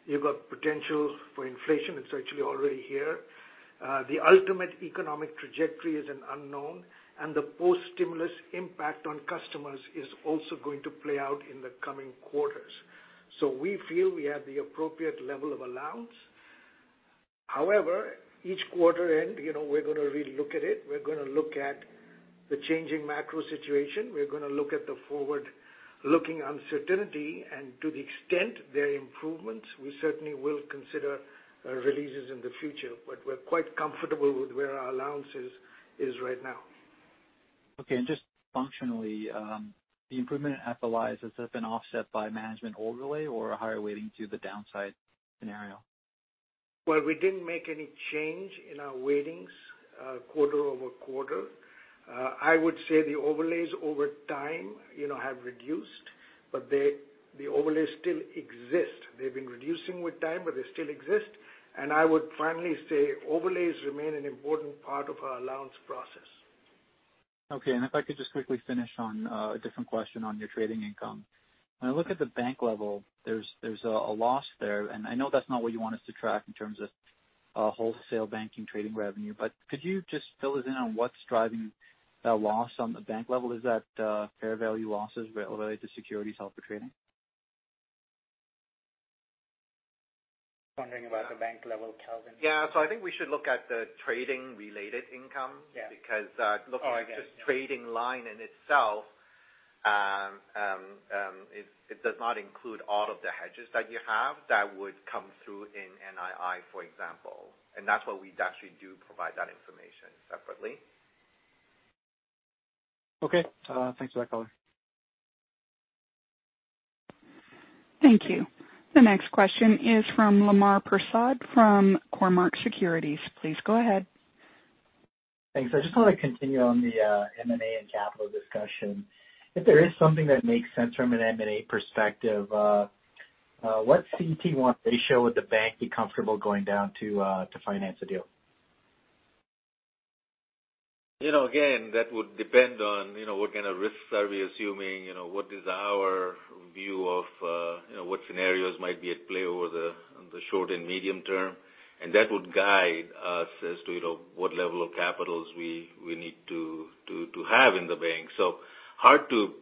you've got potentials for inflation. It's actually already here. The ultimate economic trajectory is an unknown, and the post-stimulus impact on customers is also going to play out in the coming quarters. We feel we have the appropriate level of allowance. However, each quarter end, you know, we're gonna re-look at it. We're gonna look at the changing macro situation. We're gonna look at the forward-looking uncertainty, and to the extent there are improvements, we certainly will consider releases in the future. We're quite comfortable with where our allowance is right now. Okay. Just functionally, the improvement in FLIs, has that been offset by management overlay or a higher weighting to the downside scenario? Well, we didn't make any change in our weightings quarter-over-quarter. I would say the overlays over time, you know, have reduced, but the overlays still exist. They've been reducing with time, but they still exist. I would finally say, overlays remain an important part of our allowance process. Okay. If I could just quickly finish on a different question on your trading income. When I look at the bank level, there's a loss there. I know that's not what you want us to track in terms of Wholesale Banking trading revenue. Could you just fill us in on what's driving that loss on the bank level? Is that fair value losses related to securities alpha trading? Wondering about the bank level, Kelvin. Yeah. I think we should look at the trading-related income. Yeah. Because, uh- Oh, I get it. Yeah. Looking at just trading line in itself, it does not include all of the hedges that you have that would come through in NII, for example. That's why we actually do provide that information separately. Okay. Thanks for that color. Thank you. The next question is from Lemar Persaud from Cormark Securities. Please go ahead. Thanks. I just want to continue on the M&A and capital discussion. If there is something that makes sense from an M&A perspective, what CET1 ratio would the bank be comfortable going down to finance the deal? You know, again, that would depend on, you know, what kind of risks are we assuming, you know, what is our view of, you know, what scenarios might be at play over the short and medium term. That would guide us as to, you know, what level of capital we need to have in the bank. Hard to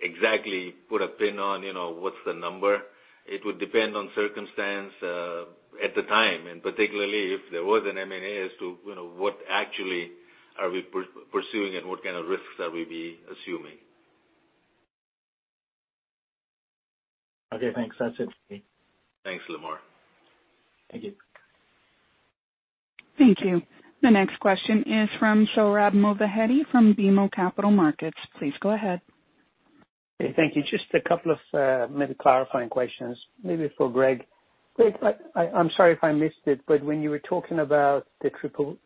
exactly put a pin on, you know, what's the number. It would depend on circumstances at the time, and particularly if there was an M&A as to, you know, what actually are we pursuing and what kind of risks are we assuming. Okay, thanks. That's it for me. Thanks, Lemar. Thank you. Thank you. The next question is from Sohrab Movahedi from BMO Capital Markets. Please go ahead. Okay, thank you. Just a couple of maybe clarifying questions, maybe for Greg. Greg, I'm sorry if I missed it, but when you were talking about the PPP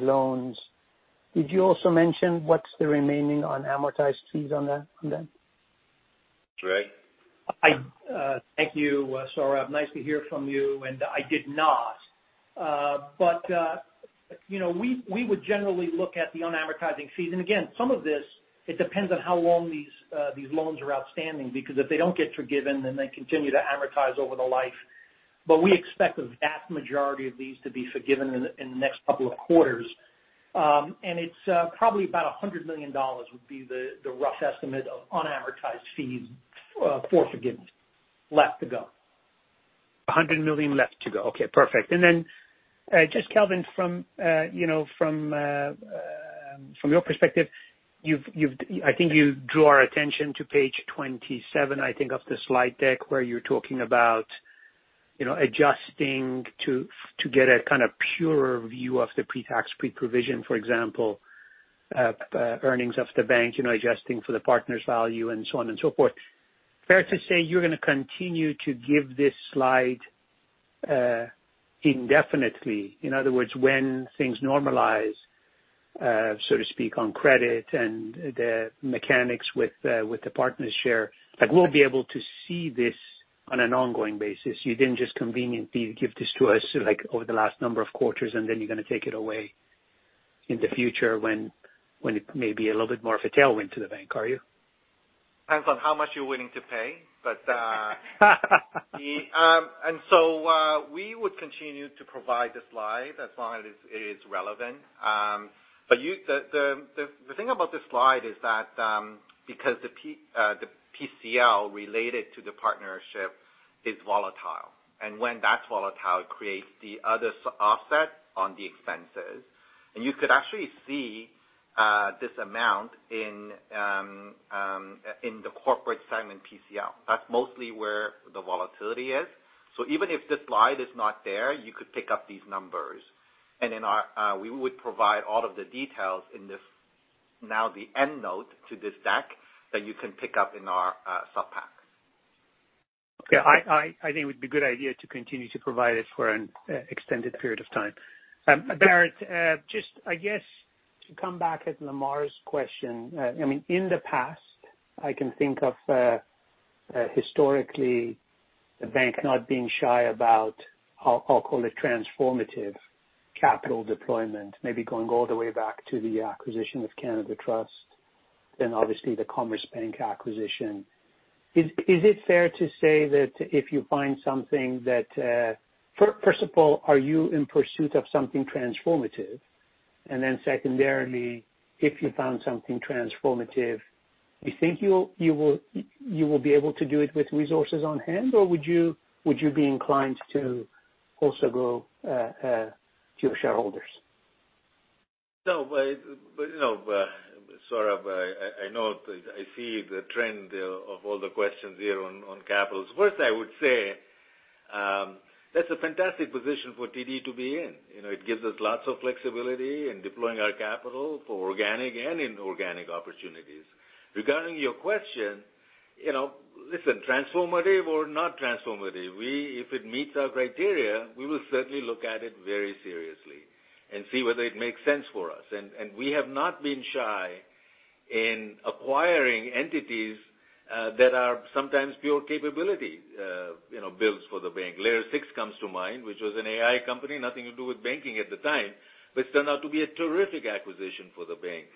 loans, did you also mention what's the remaining unamortized fees on them? Greg? Thank you, Sohrab. Nice to hear from you. I did not. We would generally look at the unamortized fees. Again, some of this, it depends on how long these loans are outstanding, because if they don't get forgiven, then they continue to amortize over the life. We expect the vast majority of these to be forgiven in the next couple of quarters. It's probably about $100 million would be the rough estimate of unamortized fees for forgiveness left to go. 100 million left to go. Okay, perfect. Just Kelvin, from your perspective, you've I think you drew our attention to page 27, I think, of the slide deck, where you're talking about, you know, adjusting to get a kind of pure view of the pre-tax, pre-provision, for example, earnings of the bank, you know, adjusting for the partners' value and so on and so forth. Fair to say you're gonna continue to give this slide indefinitely? In other words, when things normalize, so to speak, on credit and the mechanics with the partners' share, like, we'll be able to see this on an ongoing basis. You didn't just conveniently give this to us, like, over the last number of quarters, and then you're gonna take it away in the future when it may be a little bit more of a tailwind to the bank, are you? Depends on how much you're willing to pay. We would continue to provide the slide as long as it is relevant. The thing about this slide is that because the PCL related to the partnership is volatile. When that's volatile, it creates the other offset on the expenses. You could actually see this amount in the corporate segment PCL. That's mostly where the volatility is. Even if the slide is not there, you could pick up these numbers. We would provide all of the details in the end note to this deck that you can pick up in our sup pack. Okay. I think it would be a good idea to continue to provide it for an extended period of time. Bharat, just I guess to come back at Lemar's question. I mean, in the past, I can think of historically the bank not being shy about. I'll call it transformative capital deployment, maybe going all the way back to the acquisition of Canada Trust and obviously the Commerce Bank acquisition. Is it fair to say that if you find something that. First of all, are you in pursuit of something transformative? And then secondarily, if you found something transformative, you think you will be able to do it with resources on hand, or would you be inclined to also go to your shareholders? you know, Sohrab, I know I see the trend of all the questions here on capital. First, I would say, that's a fantastic position for TD to be in. You know, it gives us lots of flexibility in deploying our capital for organic and inorganic opportunities. Regarding your question, you know, listen, transformative or not transformative, if it meets our criteria, we will certainly look at it very seriously and see whether it makes sense for us. We have not been shy in acquiring entities that are sometimes pure capability, you know, builds for the bank. Layer 6 comes to mind, which was an AI company, nothing to do with banking at the time, but it turned out to be a terrific acquisition for the bank.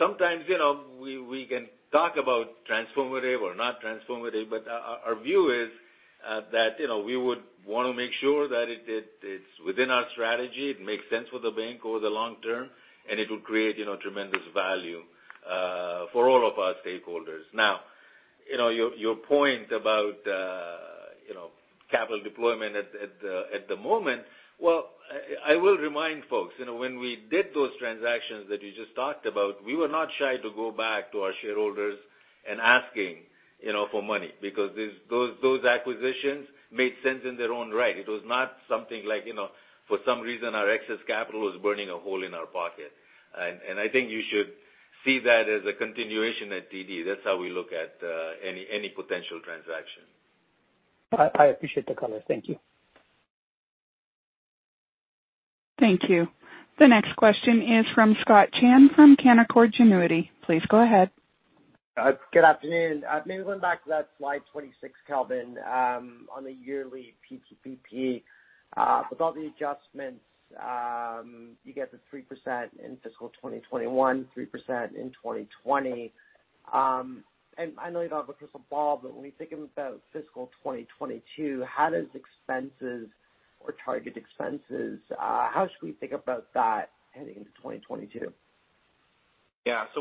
Sometimes, you know, we can talk about transformative or not transformative, but our view is that, you know, we would want to make sure that it's within our strategy, it makes sense for the bank over the long term, and it will create, you know, tremendous value for all of our stakeholders. Now, you know, your point about, you know, capital deployment at the moment. Well, I will remind folks, you know, when we did those transactions that you just talked about, we were not shy to go back to our shareholders and asking, you know, for money because those acquisitions made sense in their own right. It was not something like, you know, for some reason our excess capital was burning a hole in our pocket. I think you should see that as a continuation at TD. That's how we look at any potential transaction. I appreciate the comment. Thank you. Thank you. The next question is from Scott Chan from Canaccord Genuity. Please go ahead. Good afternoon. Maybe going back to that slide 26, Kelvin, on the yearly PTPP, with all the adjustments, you get the 3% in fiscal 2021, 3% in 2020. I know you don't have a crystal ball, but when we think about fiscal 2022, how does expenses or target expenses, how should we think about that heading into 2022?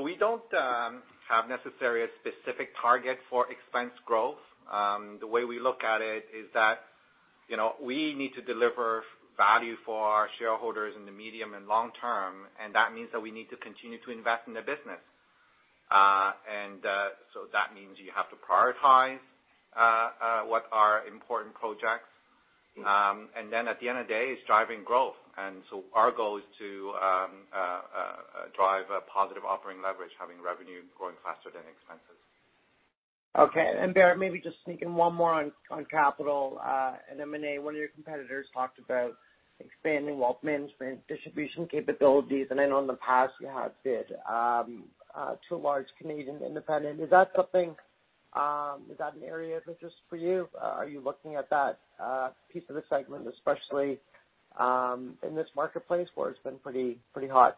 We don't have necessarily a specific target for expense growth. The way we look at it is that, you know, we need to deliver value for our shareholders in the medium and long term, and that means that we need to continue to invest in the business. That means you have to prioritize what are important projects. Then at the end of the day, it's driving growth. Our goal is to drive a positive operating leverage, having revenue growing faster than expenses. Okay. Bharat, maybe just sneak in one more on capital. At M&A, one of your competitors talked about expanding Wealth Management distribution capabilities. I know in the past you have bid two large Canadian independent. Is that something? Is that an area of interest for you? Are you looking at that piece of the segment, especially in this marketplace where it's been pretty hot?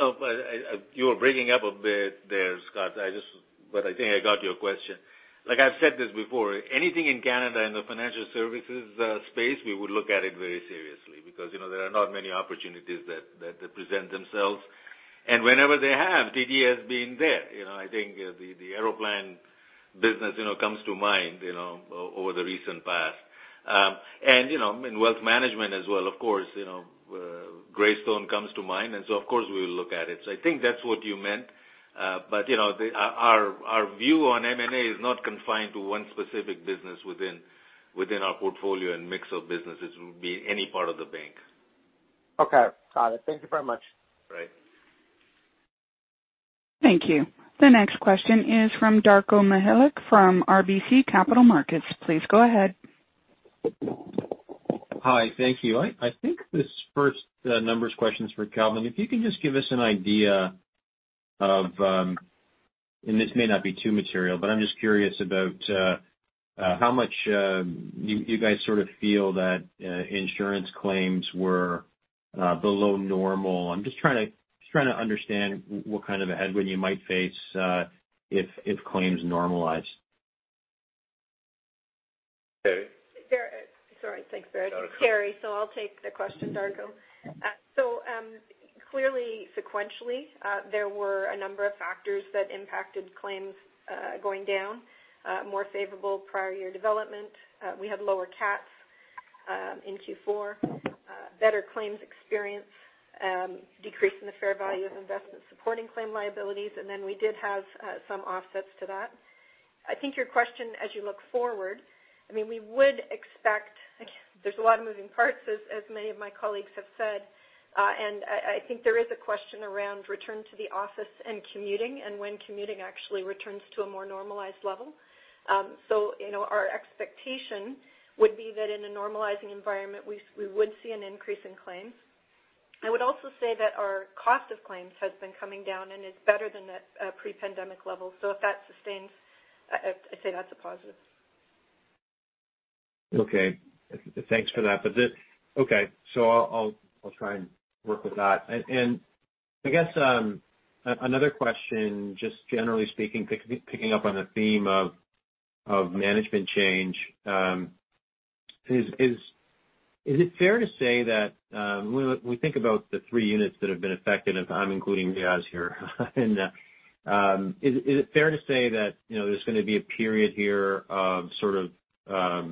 You were breaking up a bit there, Scott. I think I got your question. Like I've said this before, anything in Canada in the financial services space, we would look at it very seriously because, you know, there are not many opportunities that present themselves. Whenever they have, TD has been there. You know, I think the Aeroplan business, you know, comes to mind, you know, over the recent past. And, you know, in wealth management as well, of course, you know, Greystone comes to mind, and so of course, we'll look at it. I think that's what you meant. You know, our view on M&A is not confined to one specific business within our portfolio and mix of businesses. It would be any part of the bank. Okay. Got it. Thank you very much. Right. Thank you. The next question is from Darko Mihelic from RBC Capital Markets. Please go ahead. Hi. Thank you. I think this first numbers question is for Kelvin. If you can just give us an idea of, and this may not be too material, but I'm just curious about, how much, you guys sort of feel that, insurance claims were, below normal. I'm just trying to understand what kind of a headwind you might face, if claims normalized. Teri? Sorry. Thanks, Bharat. Teri. I'll take the question, Darko. Clearly sequentially, there were a number of factors that impacted claims going down, more favorable prior year development. We had lower cats in Q4, better claims experience, decrease in the fair value of investment supporting claim liabilities, and then we did have some offsets to that. I think your question as you look forward, I mean, we would expect again, there's a lot of moving parts as many of my colleagues have said. I think there is a question around return to the office and commuting and when commuting actually returns to a more normalized level. You know, our expectation would be that in a normalizing environment, we would see an increase in claims. I would also say that our cost of claims has been coming down and is better than at pre-pandemic levels. If that sustains, I say that's a positive. Thanks for that. I'll try and work with that. I guess another question, just generally speaking, picking up on the theme of management change, is it fair to say that when we think about the three units that have been affected, and I'm including Riaz here, is it fair to say that, you know, there's gonna be a period here of sort of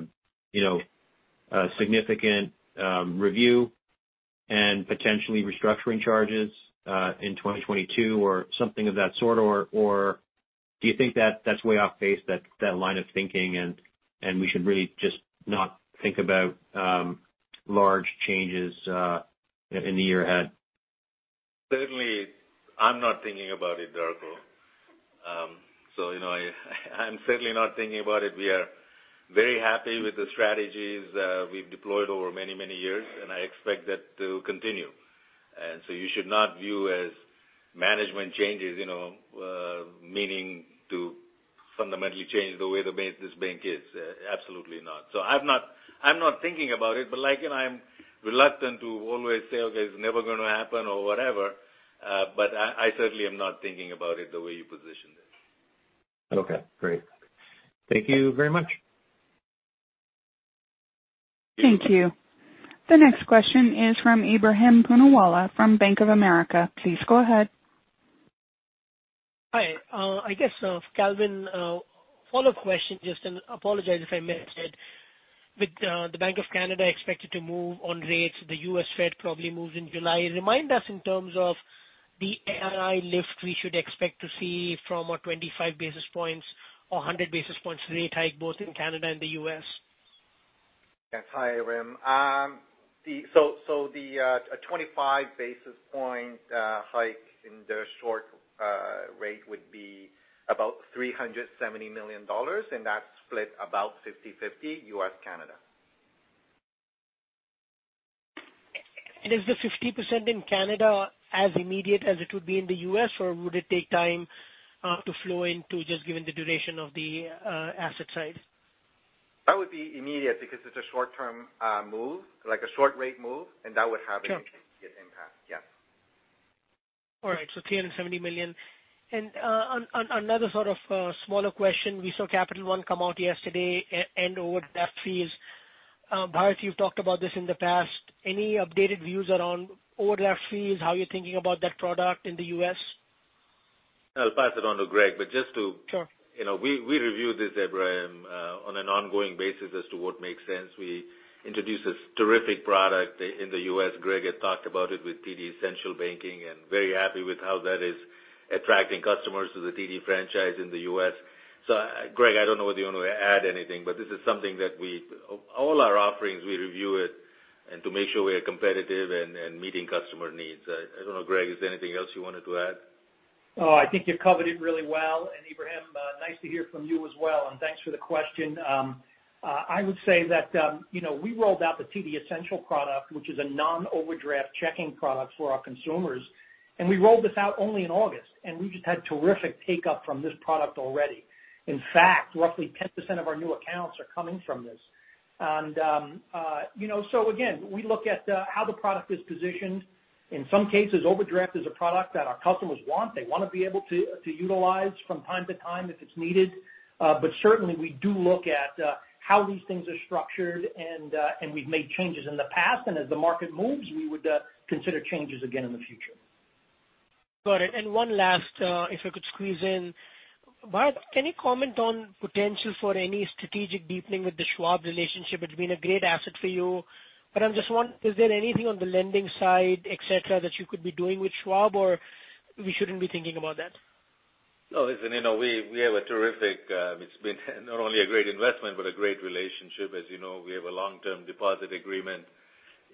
you know, a significant review and potentially restructuring charges in 2022 or something of that sort, or do you think that that's way off base, that line of thinking and we should really just not think about large changes in the year ahead? Certainly, I'm not thinking about it, Darko. You know, I'm certainly not thinking about it. We are very happy with the strategies we've deployed over many, many years, and I expect that to continue. You should not view as management changes, you know, meaning to fundamentally change the way this bank is. Absolutely not. I'm not thinking about it the way you positioned it. Okay, great. Thank you very much. Thank you. The next question is from Ebrahim Poonawala from Bank of America. Please go ahead. Hi. I guess, Kelvin, follow-up question just and apologize if I missed it. With the Bank of Canada expected to move on rates, the US Fed probably moves in July, remind us in terms of the NII lift we should expect to see from a 25 basis points or a 100 basis points rate hike both in Canada and the U.S. Yes. Hi, Ebrahim. A 25 basis point hike in their short rate would be about 370 million dollars, and that's split about 50/50 U.S., Canada. Is the 50% in Canada as immediate as it would be in the U.S., or would it take time to flow through, just given the duration of the asset side? That would be immediate because it's a short-term move, like a short rate move, and that would have Sure. an immediate impact. Yes. All right. 370 million. On another sort of smaller question, we saw Capital One come out yesterday and overdraft fees. Bharat, you've talked about this in the past. Any updated views around overdraft fees? How are you thinking about that product in the U.S.? I'll pass it on to Greg, but just to. Sure. You know, we review this, Ebrahim, on an ongoing basis as to what makes sense. We introduced this terrific product in the U.S. Greg had talked about it with TD Essential Banking, and very happy with how that is attracting customers to the TD franchise in the U.S. Greg, I don't know whether you want to add anything, but this is something that we review all our offerings and to make sure we are competitive and meeting customer needs. I don't know, Greg, is there anything else you wanted to add? Oh, I think you've covered it really well. Ebrahim, nice to hear from you as well, and thanks for the question. I would say that, you know, we rolled out the TD Essential product, which is a non-overdraft checking product for our consumers, and we rolled this out only in August, and we just had terrific take-up from this product already. In fact, roughly 10% of our new accounts are coming from this. You know, so again, we look at how the product is positioned. In some cases, overdraft is a product that our customers want. They wanna be able to utilize from time to time if it's needed. Certainly we do look at how these things are structured, and we've made changes in the past, and as the market moves, we would consider changes again in the future. Got it. One last, if I could squeeze in. Bharat, can you comment on potential for any strategic deepening with the Schwab relationship? It's been a great asset for you, but I'm just wondering, is there anything on the lending side, et cetera, that you could be doing with Schwab, or we shouldn't be thinking about that? No, listen, you know, we have a terrific, it's been not only a great investment, but a great relationship. As you know, we have a long-term deposit agreement,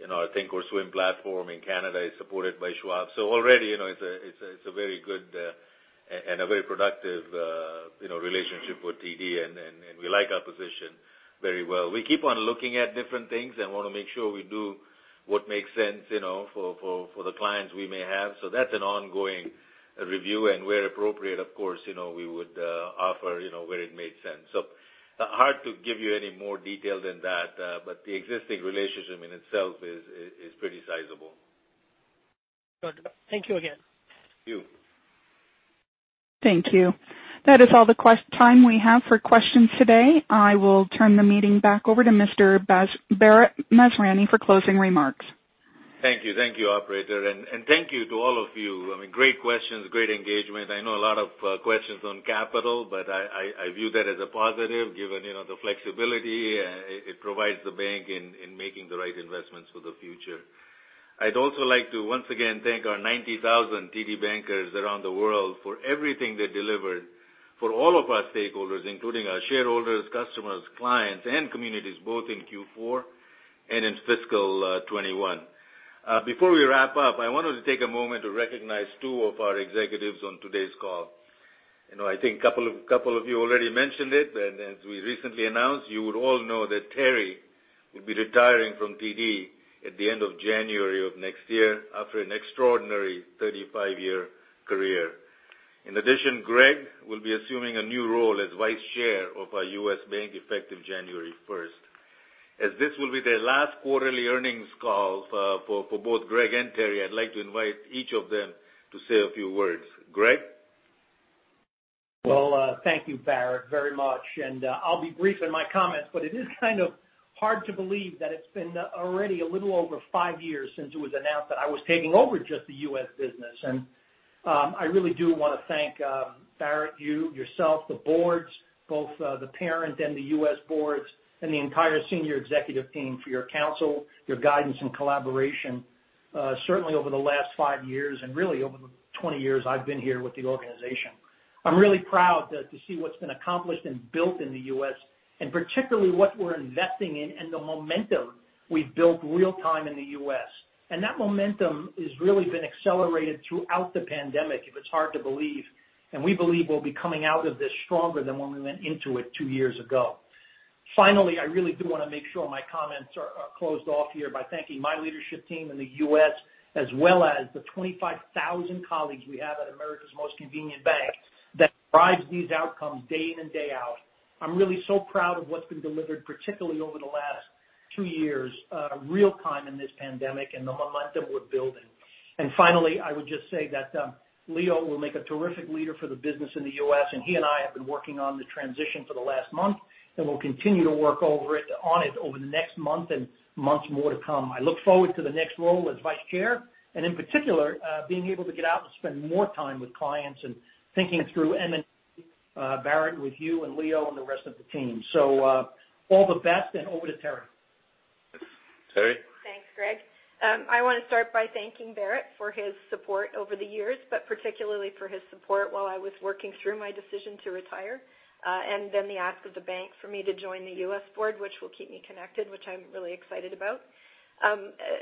and our thinkorswim platform in Canada is supported by Schwab. Already, you know, it's a very good and a very productive, you know, relationship with TD, and we like our position very well. We keep on looking at different things and wanna make sure we do what makes sense, you know, for the clients we may have. That's an ongoing review. Where appropriate, of course, you know, we would offer, you know, where it made sense. Hard to give you any more detail than that, but the existing relationship in itself is pretty sizable. Good. Thank you again. Thank you. Thank you. That is all the time we have for questions today. I will turn the meeting back over to Mr. Bharat Masrani for closing remarks. Thank you. Thank you, operator, and thank you to all of you. I mean, great questions, great engagement. I know a lot of questions on capital, but I view that as a positive given, you know, the flexibility it provides the bank in making the right investments for the future. I'd also like to once again thank our 90,000 TD bankers around the world for everything they delivered for all of our stakeholders, including our shareholders, customers, clients, and communities, both in Q4 and in fiscal 2021. Before we wrap up, I wanted to take a moment to recognize two of our executives on today's call. You know, I think a couple of you already mentioned it, and as we recently announced, you would all know that Teri will be retiring from TD at the end of January of next year after an extraordinary 35-year career. In addition, Greg will be assuming a new role as Vice Chair of our U.S. Bank, effective January first. As this will be their last quarterly earnings call for both Greg and Teri, I'd like to invite each of them to say a few words. Greg? Well, thank you Bharat very much, and, I'll be brief in my comments, but it is kind of hard to believe that it's been already a little over five years since it was announced that I was taking over just the U.S. business. I really do wanna thank, Bharat, you, yourself, the boards, both, the parent and the U.S. boards, and the entire senior executive team for your counsel, your guidance and collaboration, certainly over the last five years and really over the 20 years I've been here with the organization. I'm really proud to see what's been accomplished and built in the U.S., and particularly what we're investing in and the momentum we've built real-time in the U.S. That momentum has really been accelerated throughout the pandemic, if it's hard to believe, and we believe we'll be coming out of this stronger than when we went into it two years ago. Finally, I really do wanna make sure my comments are closed off here by thanking my leadership team in the U.S. as well as the 25,000 colleagues we have at America's Most Convenient Bank that drives these outcomes day in and day out. I'm really so proud of what's been delivered, particularly over the last two years, real time in this pandemic and the momentum we're building. Finally, I would just say that Leo will make a terrific leader for the business in the U.S., and he and I have been working on the transition for the last month and will continue to work on it over the next month and months more to come. I look forward to the next role as Vice Chair and in particular being able to get out and spend more time with clients and thinking through M&A, Bharat, with you and Leo and the rest of the team. All the best, and over to Teri. Teri? Thanks, Greg. I wanna start by thanking Bharat for his support over the years, but particularly for his support while I was working through my decision to retire, and then the ask of the bank for me to join the U.S. board, which will keep me connected, which I'm really excited about.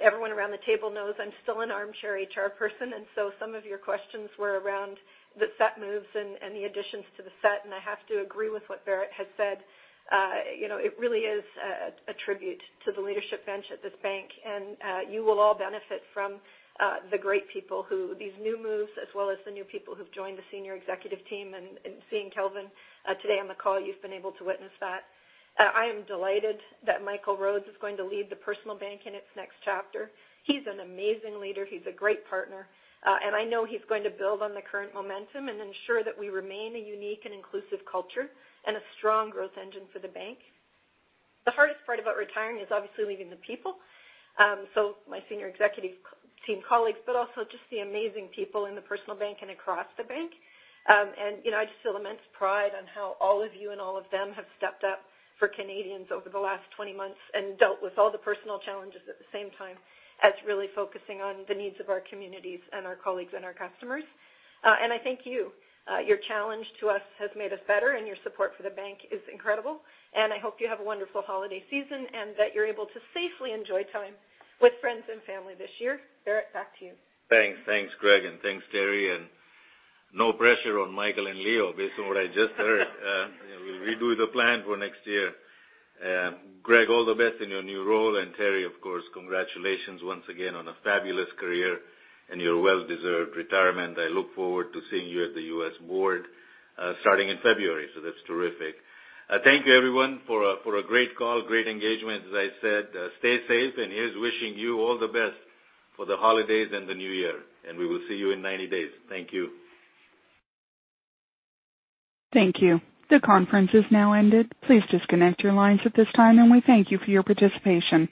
Everyone around the table knows I'm still an armchair HR person, and so some of your questions were around the seat moves and the additions to the seat, and I have to agree with what Bharat had said. You know, it really is a tribute to the leadership bench at this bank. You will all benefit from the great people who these new moves, as well as the new people who've joined the senior executive team. Seeing Kelvin today on the call, you've been able to witness that. I am delighted that Michael Rhodes is going to lead the personal bank in its next chapter. He's an amazing leader. He's a great partner. I know he's going to build on the current momentum and ensure that we remain a unique and inclusive culture and a strong growth engine for the bank. The hardest part about retiring is obviously leaving the people. My senior executive team colleagues, but also just the amazing people in the personal bank and across the bank. You know, I just feel immense pride on how all of you and all of them have stepped up for Canadians over the last 20 months and dealt with all the personal challenges at the same time as really focusing on the needs of our communities and our colleagues and our customers. I thank you. Your challenge to us has made us better, and your support for the bank is incredible. I hope you have a wonderful holiday season and that you're able to safely enjoy time with friends and family this year. Bharat, back to you. Thanks. Thanks, Greg, and thanks, Teri. No pressure on Michael and Leo based on what I just heard. We'll redo the plan for next year. Greg, all the best in your new role, and Teri, of course, congratulations once again on a fabulous career and your well-deserved retirement. I look forward to seeing you at the U.S. board, starting in February. That's terrific. Thank you everyone for a great call, great engagement. As I said, stay safe, and here's wishing you all the best for the holidays and the new year, and we will see you in 90 days. Thank you. Thank you. The conference has now ended. Please disconnect your lines at this time, and we thank you for your participation.